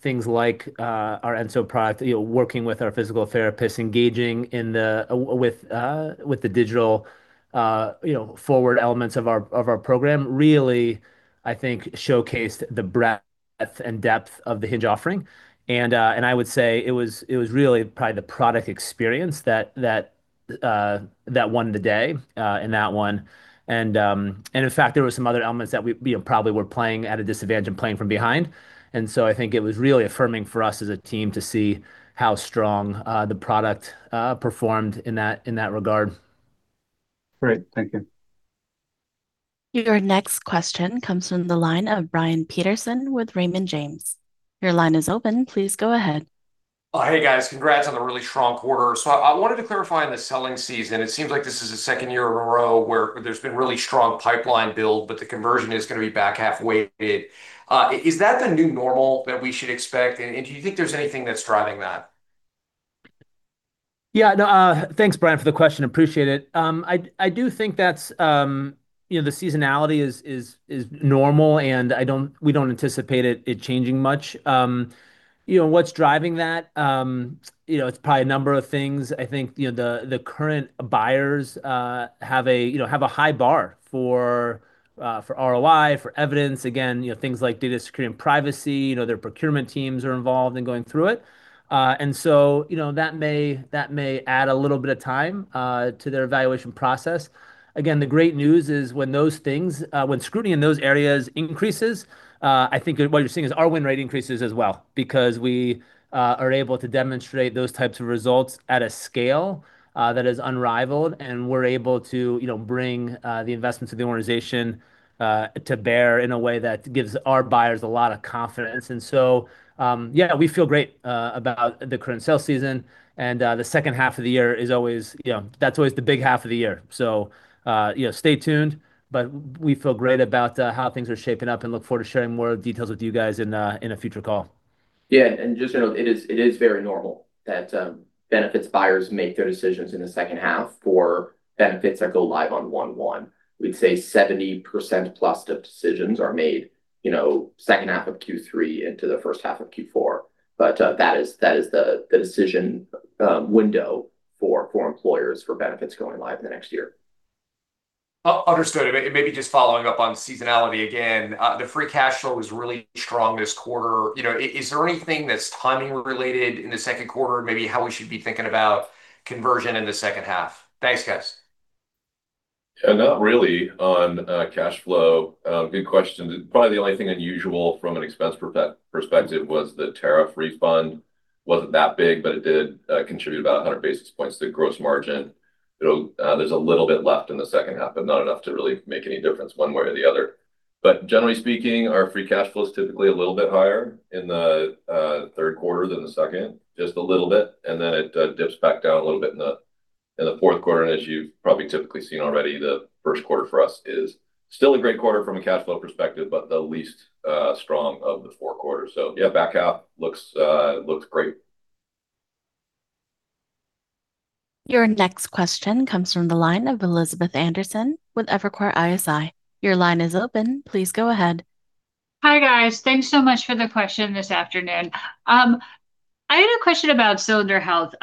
things like our Enso product, working with our physical therapists, engaging with the digital forward elements of our program, really, I think, showcased the breadth and depth of the Hinge offering. I would say it was really probably the product experience that won the day in that one. In fact, there were some other elements that we probably were playing at a disadvantage and playing from behind. So I think it was really affirming for us as a team to see how strong the product performed in that regard. Great. Thank you. Your next question comes from the line of Brian Peterson with Raymond James. Your line is open. Please go ahead. Hey, guys. Congrats on the really strong quarter. I wanted to clarify on the selling season. It seems like this is the second year in a row where there's been really strong pipeline build, but the conversion is going to be back half weighted. Is that the new normal that we should expect, and do you think there's anything that's driving that? Yeah. No, thanks, Brian, for the question. Appreciate it. I do think that the seasonality is normal, and we don't anticipate it changing much. What's driving that? It's probably a number of things. I think the current buyers have a high bar for ROI, for evidence, again, things like data security and privacy. Their procurement teams are involved in going through it. That may add a little bit of time to their evaluation process. Again, the great news is when scrutiny in those areas increases, I think what you're seeing is our win rate increases as well because we are able to demonstrate those types of results at a scale that is unrivaled, and we're able to bring the investments of the organization to bear in a way that gives our buyers a lot of confidence. Yeah, we feel great about the current sales season. The second half of the year, that's always the big half of the year. Stay tuned. We feel great about how things are shaping up and look forward to sharing more details with you guys in a future call. Yeah. Just so you know, it is very normal that benefits buyers make their decisions in the second half for benefits that go live on 1/1. We'd say 70%+ of decisions are made second half of Q3 into the first half of Q4. That is the decision window for employers for benefits going live in the next year. Understood. Maybe just following up on seasonality again, the free cash flow was really strong this quarter. Is there anything that's timing related in the second quarter, maybe how we should be thinking about conversion in the second half? Thanks, guys. Not really on cash flow. Good question. Probably the only thing unusual from an expense perspective was the tariff refund. Wasn't that big, it did contribute about 100 basis points to gross margin. There's a little bit left in the second half, not enough to really make any difference one way or the other. Generally speaking, our free cash flow is typically a little bit higher in the third quarter than the second, just a little bit, then it dips back down a little bit in the fourth quarter. As you've probably typically seen already, the first quarter for us is still a great quarter from a cash flow perspective, but the least strong of the four quarters. Yeah, back half looks great. Your next question comes from the line of Elizabeth Anderson with Evercore ISI. Your line is open. Please go ahead. Hi, guys. Thanks so much for the question this afternoon. A question about Cylinder Health.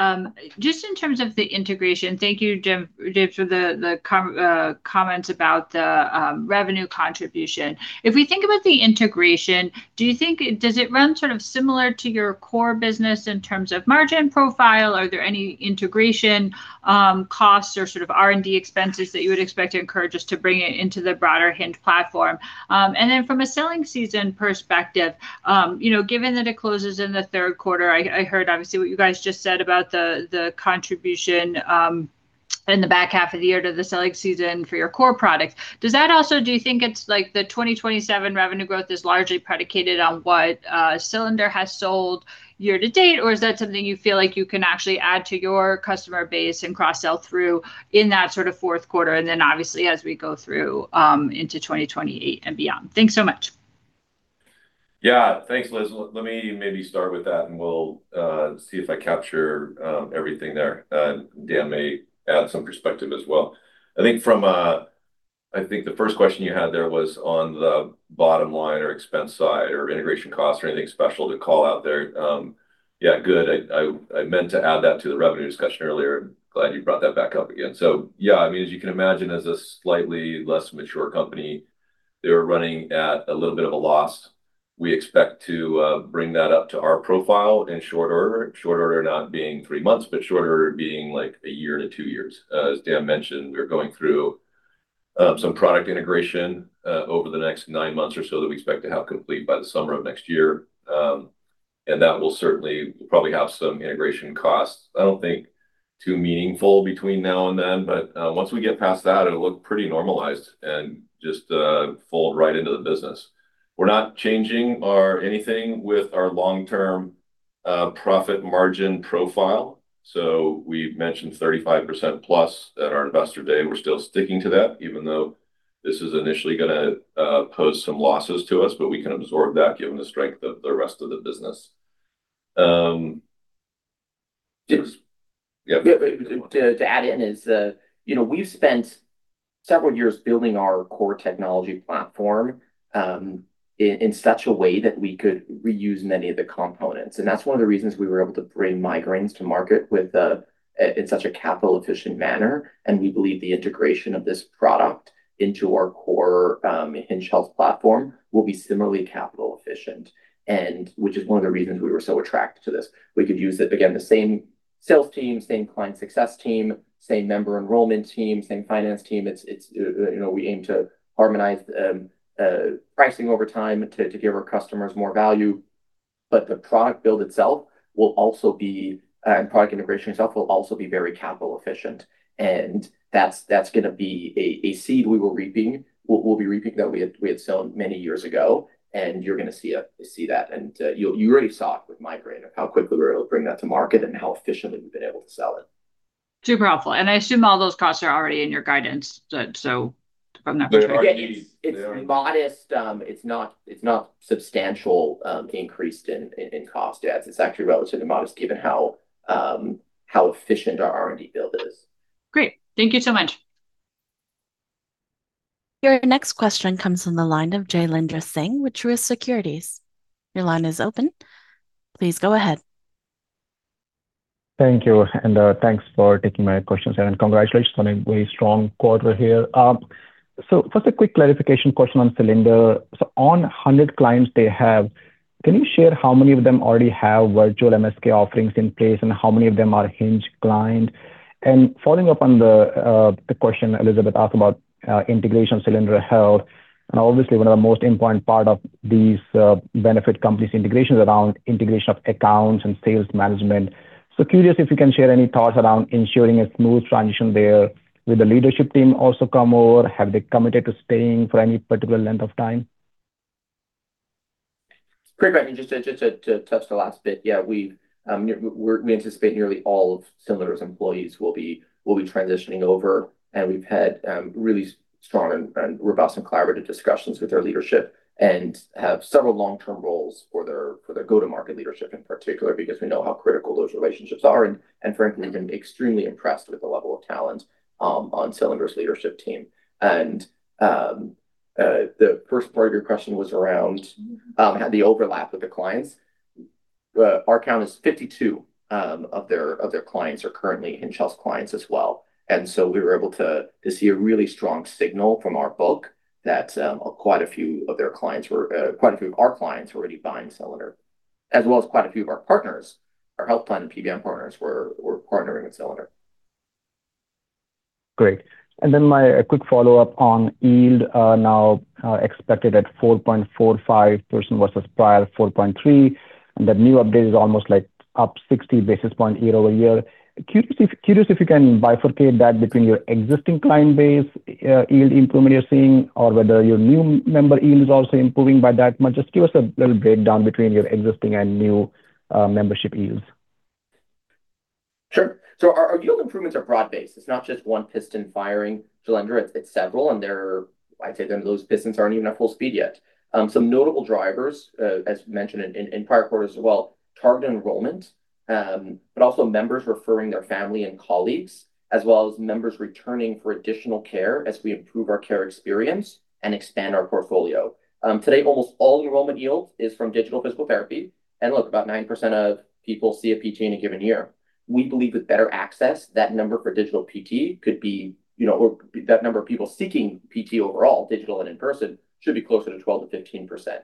Just in terms of the integration, thank you, Jim, for the comments about the revenue contribution. If we think about the integration, does it run similar to your core business in terms of margin profile? Are there any integration costs or R&D expenses that you would expect to incur just to bring it into the broader Hinge platform? Then from a selling season perspective, given that it closes in the third quarter, I heard obviously what you guys just said about the contribution in the back half of the year to the selling season for your core products. Do you think it's like the 2027 revenue growth is largely predicated on what Cylinder has sold year-to-date, or is that something you feel like you can actually add to your customer base and cross-sell through in that fourth quarter, and then obviously as we go through into 2028 and beyond? Thanks so much. Yeah. Thanks, Liz. Let me maybe start with that and we'll see if I capture everything there, and Dan may add some perspective as well. I think the first question you had there was on the bottom line or expense side or integration cost or anything special to call out there. Yeah, good. I meant to add that to the revenue discussion earlier. Glad you brought that back up again. So yeah, as you can imagine, as a slightly less mature company, they were running at a little bit of a loss. We expect to bring that up to our profile in short order. Short order not being three months, but short order being like a year to two years. As Dan mentioned, we're going through some product integration over the next nine months or so that we expect to have complete by the summer of next year. That will certainly probably have some integration costs. I don't think too meaningful between now and then, but once we get past that, it'll look pretty normalized and just fold right into the business. We're not changing anything with our long-term profit margin profile. We mentioned 35%+ at our Investor Day. We're still sticking to that, even though this is initially going to pose some losses to us, but we can absorb that given the strength of the rest of the business. Yeah. To add in is, we've spent several years building our core technology platform, in such a way that we could reuse many of the components. That's one of the reasons we were able to bring Migraine to market in such a capital efficient manner, and we believe the integration of this product into our core Hinge Health platform will be similarly capital efficient, which is one of the reasons we were so attracted to this. We could use it, again, the same sales team, same client success team, same member enrollment team, same finance team. We aim to harmonize pricing over time to give our customers more value. The product build itself, and product integration itself will also be very capital efficient. That's going to be a seed we will be reaping that we had sown many years ago, and you're going to see that. You already saw it with Migraine and how quickly we were able to bring that to market and how efficiently we've been able to sell it. Super helpful. I assume all those costs are already in your guidance, from that perspective. They are indeed. Yeah. It's modest. It's not substantial increase in cost, yeah. It's actually relatively modest given how efficient our R&D build is. Great. Thank you so much. Your next question comes from the line of Jailendra Singh with Truist Securities. Your line is open. Please go ahead. Thank you. Thanks for taking my questions, and congratulations on a very strong quarter here. First, a quick clarification question on Cylinder. On 100 clients they have, can you share how many of them already have virtual MSK offerings in place, and how many of them are Hinge Health clients? Following up on the question Elizabeth asked about integration of Cylinder Health, obviously one of the most important parts of these benefit companies’ integrations is around integration of accounts and sales management. Curious if you can share any thoughts around ensuring a smooth transition there. Will the leadership team also come over? Have they committed to staying for any particular length of time? Great. Just to touch the last bit. We anticipate nearly all of Cylinder's employees will be transitioning over, and we've had really strong and robust and collaborative discussions with their leadership and have several long-term roles for their go-to-market leadership in particular, because we know how critical those relationships are. Frankly, we've been extremely impressed with the level of talent on Cylinder's leadership team. The first part of your question was around the overlap of the clients. Our count is 52 of their clients are currently Hinge Health clients as well. We were able to see a really strong signal from our book that quite a few of our clients were already buying Cylinder, as well as quite a few of our partners. Our health plan and PBM partners were partnering with Cylinder. Great. My quick follow-up on yield, now expected at 4.45% versus prior 4.3%, and that new update is almost like up 60 basis points year-over-year. Curious if you can bifurcate that between your existing client base yield improvement you're seeing or whether your new member yield is also improving by that much. Just give us a little breakdown between your existing and new membership yields. Sure. Our yield improvements are broad-based. It's not just one piston firing, Jailendra. It's several, and I'd say those pistons aren't even at full speed yet. Some notable drivers, as mentioned in prior quarter as well, targeted enrollment, also members referring their family and colleagues, as well as members returning for additional care as we improve our care experience and expand our portfolio. Today, almost all enrollment yield is from digital physical therapy. About 9% of people see a PT in a given year. We believe with better access, that number for digital PT could be, or that number of people seeking PT overall, digital and in person, should be closer to 12%-15%.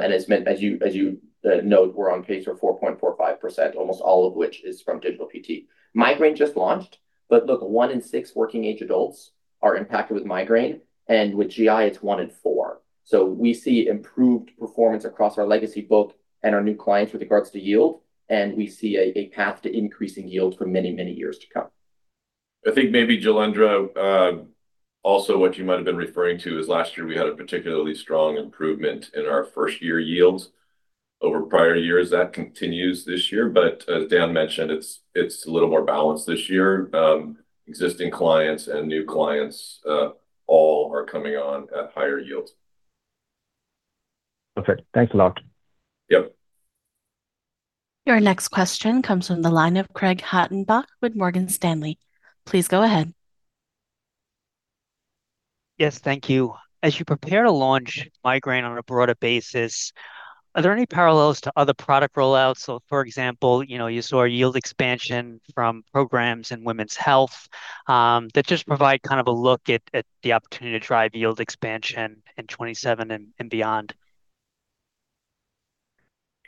As you note, we're on pace for 4.45%, almost all of which is from digital PT. Migraine just launched. Look, one in six working age adults are impacted with migraine, and with GI, it's one in four. We see improved performance across our legacy book and our new clients with regards to yield, and we see a path to increasing yield for many, many years to come. I think maybe, Jailendra, also what you might have been referring to is last year we had a particularly strong improvement in our first-year yields over prior years. That continues this year, but as Dan mentioned, it's a little more balanced this year. Existing clients and new clients all are coming on at higher yields. Perfect. Thanks a lot. Yep. Your next question comes from the line of Craig Hettenbach with Morgan Stanley. Please go ahead. Yes, thank you. As you prepare to launch Migraine on a broader basis, are there any parallels to other product rollouts? For example, you saw a yield expansion from programs in women's health, that just provide kind of a look at the opportunity to drive yield expansion in 2027 and beyond.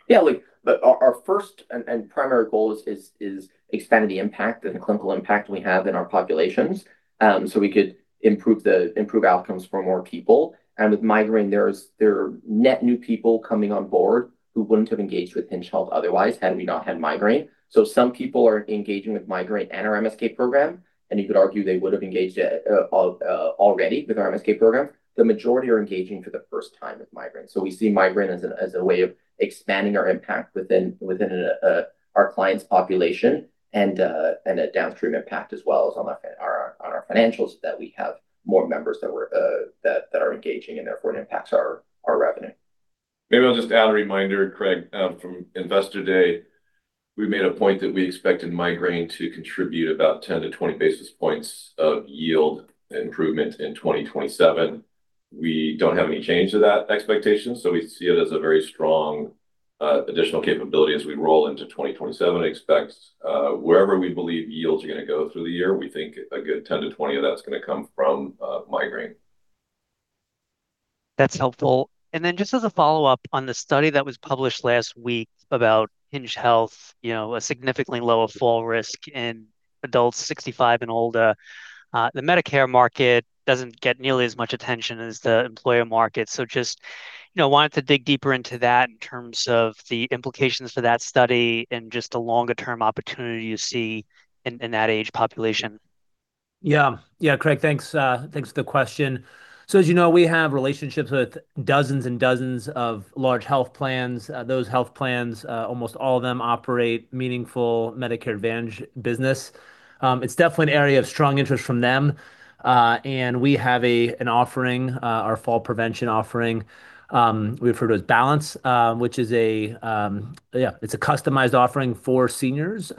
Yeah. Look, our first and primary goal is expanding the impact and the clinical impact we have in our populations, so we could improve outcomes for more people. With Migraine, there are net new people coming on board who wouldn't have engaged with Hinge Health otherwise, had we not had Migraine. Some people are engaging with Migraine and our MSK program, and you could argue they would've engaged already with our MSK program. The majority are engaging for the first time with Migraine. We see Migraine as a way of expanding our impact within our clients' population and a downstream impact as well as on our financials, that we have more members that are engaging and therefore it impacts our revenue. Maybe I'll just add a reminder, Craig, from Investor Day. We made a point that we expected Migraine to contribute about 10-20 basis points of yield improvement in 2027. We don't have any change to that expectation, so we see it as a very strong additional capability as we roll into 2027. Expect wherever we believe yields are going to go through the year, we think a good 10-20 of that's going to come from Migraine. That's helpful. Just as a follow-up on the study that was published last week about Hinge Health, a significantly lower fall risk in adults 65 and older. The Medicare market doesn't get nearly as much attention as the employer market, so just wanted to dig deeper into that in terms of the implications for that study and just the longer term opportunity you see in that age population. Craig. Thanks for the question. As you know, we have relationships with dozens and dozens of large health plans. Those health plans, almost all of them operate meaningful Medicare Advantage business. It's definitely an area of strong interest from them. We have an offering, our fall prevention offering, we refer to as Balance, which is a customized offering for seniors,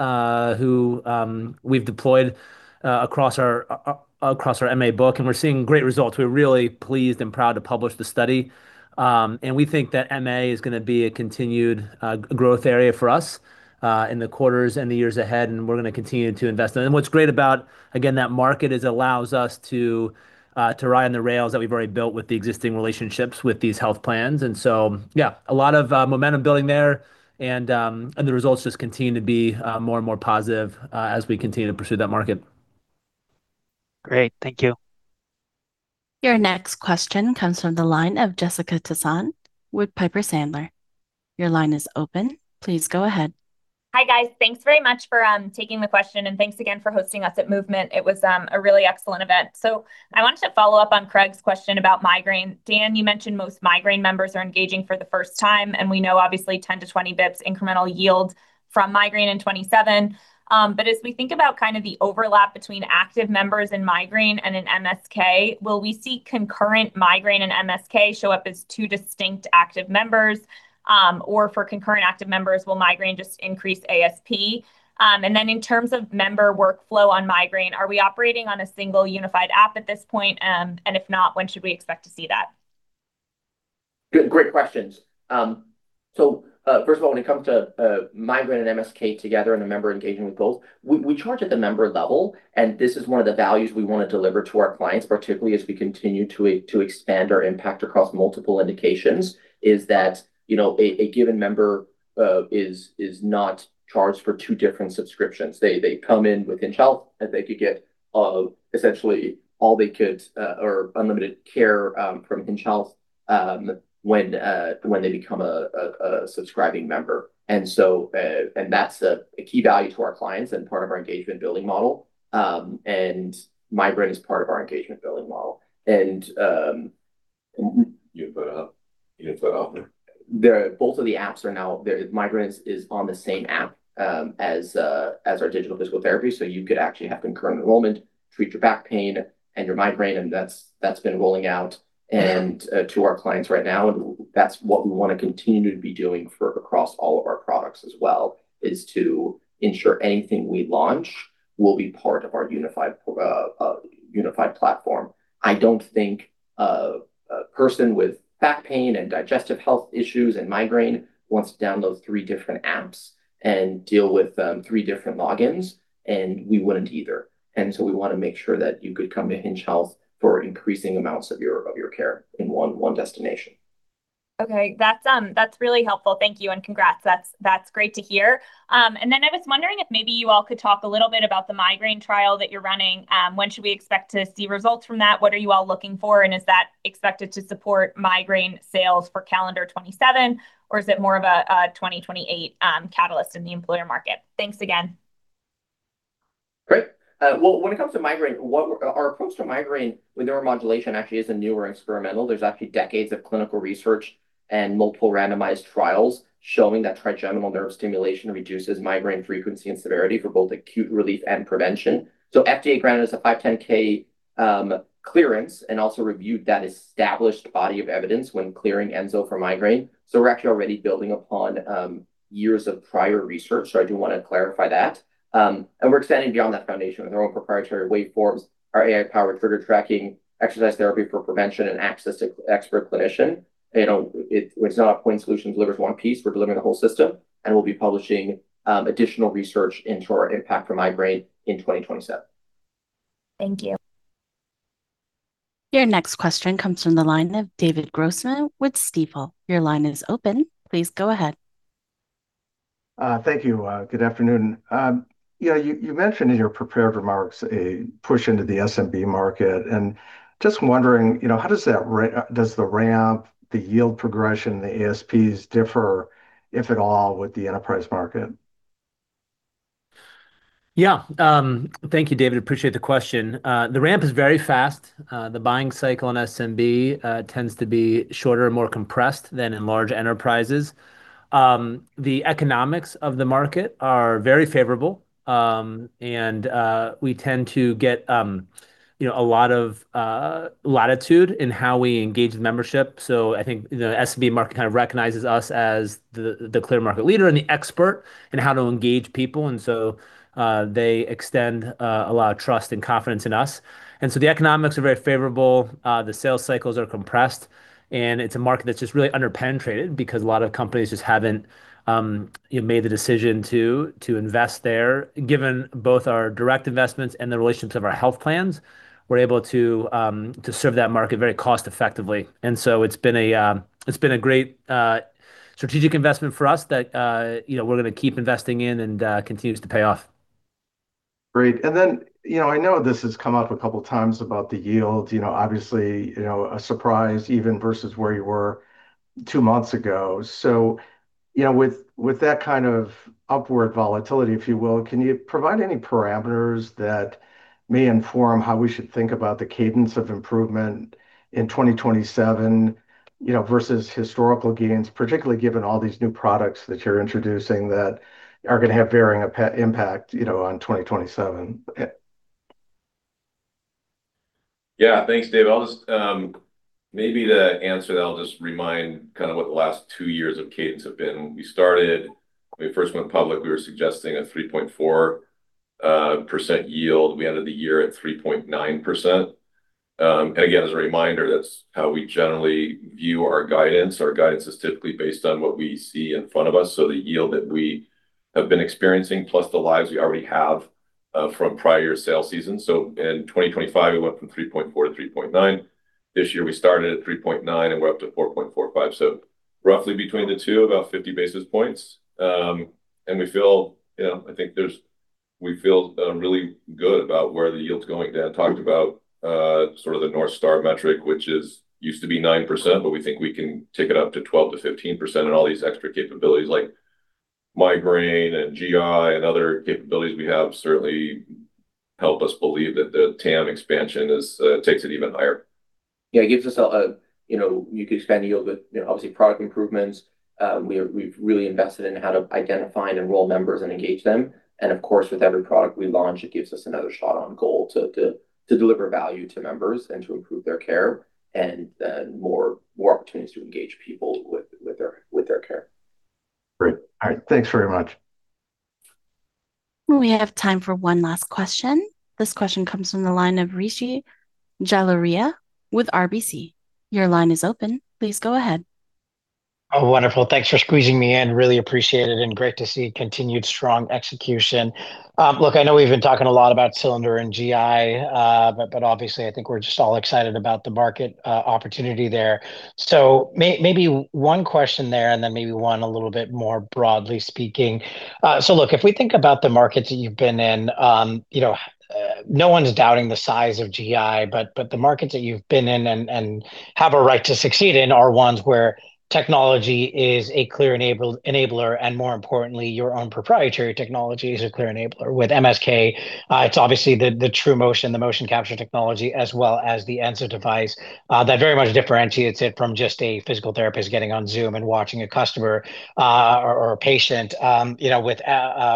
who we've deployed across our MA book, and we're seeing great results. We're really pleased and proud to publish the study. We think that MA is going to be a continued growth area for us, in the quarters and the years ahead, and we're going to continue to invest in. What's great about, again, that market is it allows us to ride on the rails that we've already built with the existing relationships with these health plans. A lot of momentum building there, and the results just continue to be more and more positive as we continue to pursue that market. Great. Thank you. Your next question comes from the line of Jessica Tassan with Piper Sandler. Your line is open. Please go ahead. Hi, guys. Thanks very much for taking the question, and thanks again for hosting us at Movement. It was a really excellent event. I wanted to follow up on Craig's question about Migraine. Dan, you mentioned most Migraine members are engaging for the first time, and we know obviously 10-20 basis points incremental yields from Migraine in 2027. As we think about kind of the overlap between active members in Migraine and in MSK, will we see concurrent Migraine and MSK show up as two distinct active members? For concurrent active members, will Migraine just increase ASP? In terms of member workflow on Migraine, are we operating on a single unified app at this point? If not, when should we expect to see that? Good, great questions. First of all, when it comes to Migraine and MSK together, and a member engaging with both, we charge at the member level, and this is one of the values we want to deliver to our clients, particularly as we continue to expand our impact across multiple indications, is that, a given member is not charged for two different subscriptions. They come in with Hinge Health and they could get essentially all they could or unlimited care from Hinge Health when they become a subscribing member. That's a key value to our clients and part of our engagement building model. Migraine is part of our engagement building model. You can put it up. Both of the apps. Migraine is on the same app as our digital physical therapy. You could actually have concurrent enrollment, treat your back pain and your migraine, and that's been rolling out to our clients right now. That's what we want to continue to be doing for across all of our products as well, is to ensure anything we launch will be part of our unified platform. I don't think a person with back pain and digestive health issues and migraine wants to download three different apps and deal with three different logins, and we wouldn't either. We want to make sure that you could come to Hinge Health for increasing amounts of your care in one destination. Okay. That's really helpful. Thank you, and congrats. That's great to hear. I was wondering if maybe you all could talk a little bit about the Migraine trial that you're running. When should we expect to see results from that? What are you all looking for, and is that expected to support Migraine sales for calendar 2027, or is it more of a 2028 catalyst in the employer market? Thanks again. Great. Well, when it comes to migraine, our approach to migraine with neuromodulation actually isn't new or experimental. There's actually decades of clinical research and multiple randomized trials showing that trigeminal nerve stimulation reduces migraine frequency and severity for both acute relief and prevention. FDA granted us a 510(k) clearance and also reviewed that established body of evidence when clearing Enso for migraine. We're actually already building upon years of prior research, so I do want to clarify that. We're expanding beyond that foundation with our own proprietary waveforms, our AI-powered trigger tracking, exercise therapy for prevention, and access to expert clinician. It's not a point solution that delivers one piece. We're delivering the whole system, and we'll be publishing additional research into our impact for migraine in 2027. Thank you. Your next question comes from the line of David Grossman with Stifel. Your line is open. Please go ahead. Thank you. Good afternoon. You mentioned in your prepared remarks a push into the SMB market, just wondering, how does the ramp, the yield progression, the ASPs differ, if at all, with the enterprise market? Yeah. Thank you, David. Appreciate the question. The ramp is very fast. The buying cycle in SMB tends to be shorter and more compressed than in large enterprises. The economics of the market are very favorable, we tend to get a lot of latitude in how we engage with membership. I think the SMB market kind of recognizes us as the clear market leader and the expert in how to engage people, they extend a lot of trust and confidence in us. The economics are very favorable. The sales cycles are compressed, it's a market that's just really under-penetrated because a lot of companies just haven't made the decision to invest there. Given both our direct investments and the relationships of our health plans, we're able to serve that market very cost-effectively. It's been a great strategic investment for us that we're going to keep investing in and continues to pay off. Great. I know this has come up a couple times about the yield. Obviously, a surprise even versus where you were two months ago. With that kind of upward volatility, if you will, can you provide any parameters that may inform how we should think about the cadence of improvement in 2027 versus historical gains, particularly given all these new products that you're introducing that are going to have varying impact on 2027? Yeah. Thanks, Dave. Maybe to answer that, I'll just remind what the last two years of cadence have been. We started, when we first went public, we were suggesting a 3.4% yield. We ended the year at 3.9%. Again, as a reminder, that's how we generally view our guidance. Our guidance is typically based on what we see in front of us, so the yield that we have been experiencing, plus the lives we already have from prior sale seasons. In 2025, we went from 3.4% to 3.9%. This year, we started at 3.9%, and we're up to 4.45%, so roughly between the two, about 50 basis points. I think we feel really good about where the yield's going. Dan talked about sort of the North Star metric, which used to be 9%, but we think we can take it up to 12%-15% on all these extra capabilities like Migraine and GI and other capabilities we have certainly help us believe that the TAM expansion takes it even higher. Yeah, it gives us. You could expand yield with obviously product improvements. We've really invested in how to identify and enroll members and engage them. Of course, with every product we launch, it gives us another shot on goal to deliver value to members and to improve their care, and then more opportunities to engage people with their care. Great. All right. Thanks very much. We have time for one last question. This question comes from the line of Rishi Jaluria with RBC. Your line is open. Please go ahead. Oh, wonderful. Thanks for squeezing me in. Really appreciate it, and great to see continued strong execution. Look, I know we've been talking a lot about Cylinder and GI, but obviously, I think we're just all excited about the market opportunity there. Maybe one question there, and then maybe one a little bit more broadly speaking. Look, if we think about the markets that you've been in, no one's doubting the size of GI, but the markets that you've been in and have a right to succeed in are ones where technology is a clear enabler, and more importantly, your own proprietary technology is a clear enabler. With MSK, it's obviously the TrueMotion, the motion capture technology, as well as the Enso device, that very much differentiates it from just a physical therapist getting on Zoom and watching a customer or a patient with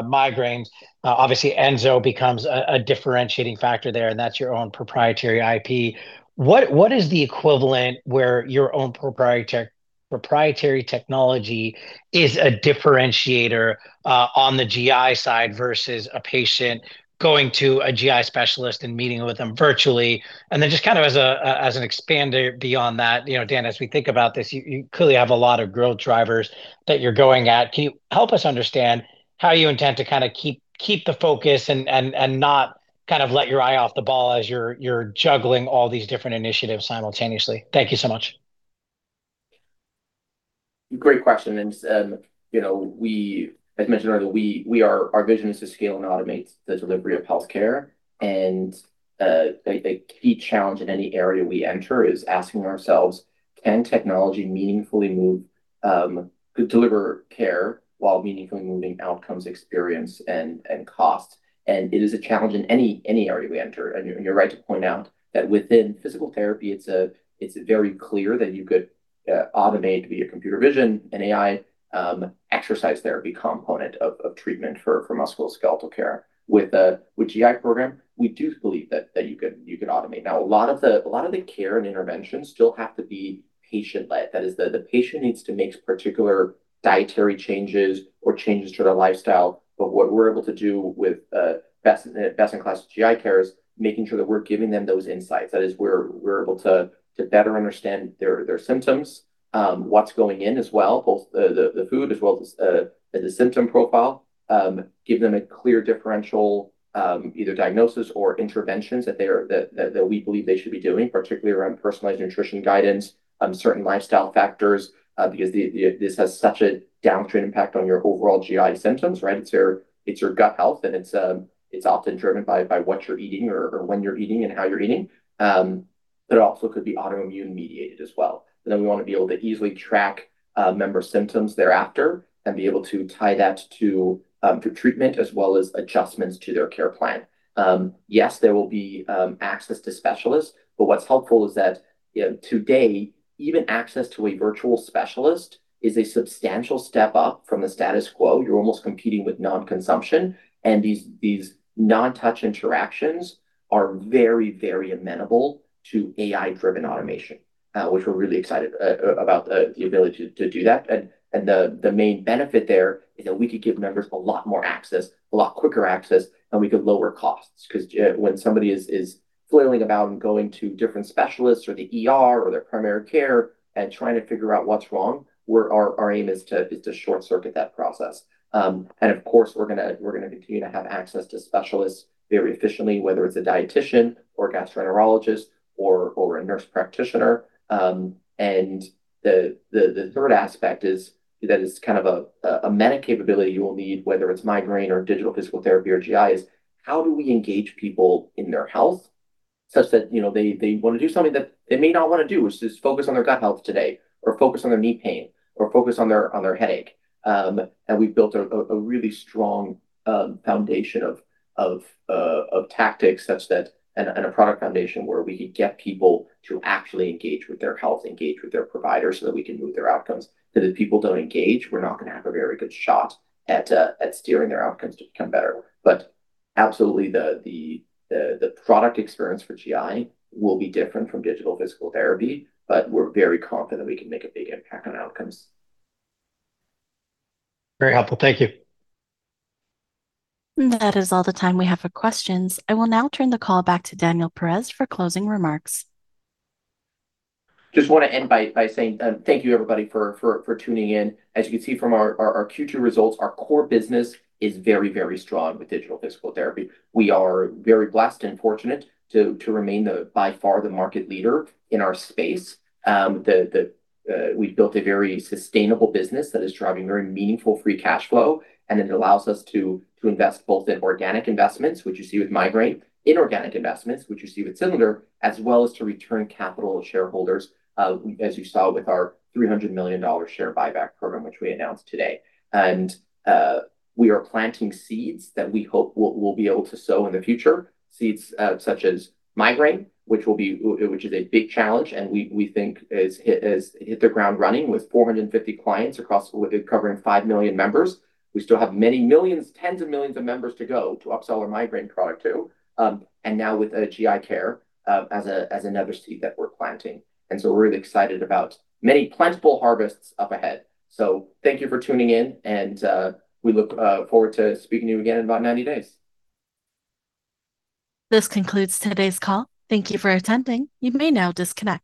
migraine. Obviously, Enso becomes a differentiating factor there, and that's your own proprietary IP. What is the equivalent where your own proprietary technology is a differentiator on the GI side versus a patient going to a GI specialist and meeting with them virtually. Just as an expander beyond that, Dan, as we think about this, you clearly have a lot of growth drivers that you're going at. Can you help us understand how you intend to keep the focus and not let your eye off the ball as you're juggling all these different initiatives simultaneously? Thank you so much. Great question. As mentioned earlier, our vision is to scale and automate the delivery of healthcare. A key challenge in any area we enter is asking ourselves, "Can technology meaningfully deliver care while meaningfully moving outcomes, experience, and cost?" It is a challenge in any area we enter. You're right to point out that within physical therapy, it's very clear that you could automate via computer vision and AI exercise therapy component of treatment for musculoskeletal care. With GI program, we do believe that you could automate. Now, a lot of the care and interventions still have to be patient-led. That is, the patient needs to make particular dietary changes or changes to their lifestyle. What we're able to do with best in class GI care is making sure that we're giving them those insights. That is, we're able to better understand their symptoms, what's going in as well, both the food as well as the symptom profile. Give them a clear differential, either diagnosis or interventions that we believe they should be doing, particularly around personalized nutrition guidance, certain lifestyle factors, because this has such a downstream impact on your overall GI symptoms, right? It's your gut health, and it's often driven by what you're eating or when you're eating and how you're eating. It also could be autoimmune mediated as well. We want to be able to easily track member symptoms thereafter and be able to tie that to treatment as well as adjustments to their care plan. Yes, there will be access to specialists, what's helpful is that today, even access to a virtual specialist is a substantial step up from the status quo. You're almost competing with non-consumption, these non-touch interactions are very amenable to AI driven automation, which we're really excited about the ability to do that. The main benefit there is that we could give members a lot more access, a lot quicker access, and we could lower costs. Because when somebody is flailing about and going to different specialists or the ER or their primary care and trying to figure out what's wrong, our aim is to short circuit that process. Of course, we're going to continue to have access to specialists very efficiently, whether it's a dietician or a gastroenterologist or a nurse practitioner. The third aspect is that it's a meta capability you will need, whether it's migraine or digital physical therapy or GI, is how do we engage people in their health such that they want to do something that they may not want to do, which is focus on their gut health today, or focus on their knee pain, or focus on their headache. We've built a really strong foundation of tactics such that a product foundation where we could get people to actually engage with their health, engage with their provider so that we can move their outcomes. Because if people don't engage, we're not going to have a very good shot at steering their outcomes to become better. Absolutely, the product experience for GI will be different from digital physical therapy, but we're very confident we can make a big impact on outcomes. Very helpful. Thank you. That is all the time we have for questions. I will now turn the call back to Daniel Perez for closing remarks. Want to end by saying thank you everybody for tuning in. As you can see from our Q2 results, our core business is very strong with digital physical therapy. We are very blessed and fortunate to remain by far the market leader in our space. We've built a very sustainable business that is driving very meaningful free cash flow. It allows us to invest both in organic investments, which you see with Migraine, inorganic investments, which you see with Cylinder, as well as to return capital to shareholders, as you saw with our $300 million share buyback program, which we announced today. We are planting seeds that we hope we'll be able to sow in the future, seeds such as Migraine, which is a big challenge and we think has hit the ground running with 450 clients covering 5 million members. We still have many millions, tens of millions of members to go to upsell our migraine product to. Now with GI care as another seed that we're planting. We're really excited about many plentiful harvests up ahead. Thank you for tuning in, and we look forward to speaking to you again in about 90 days. This concludes today's call. Thank you for attending. You may now disconnect.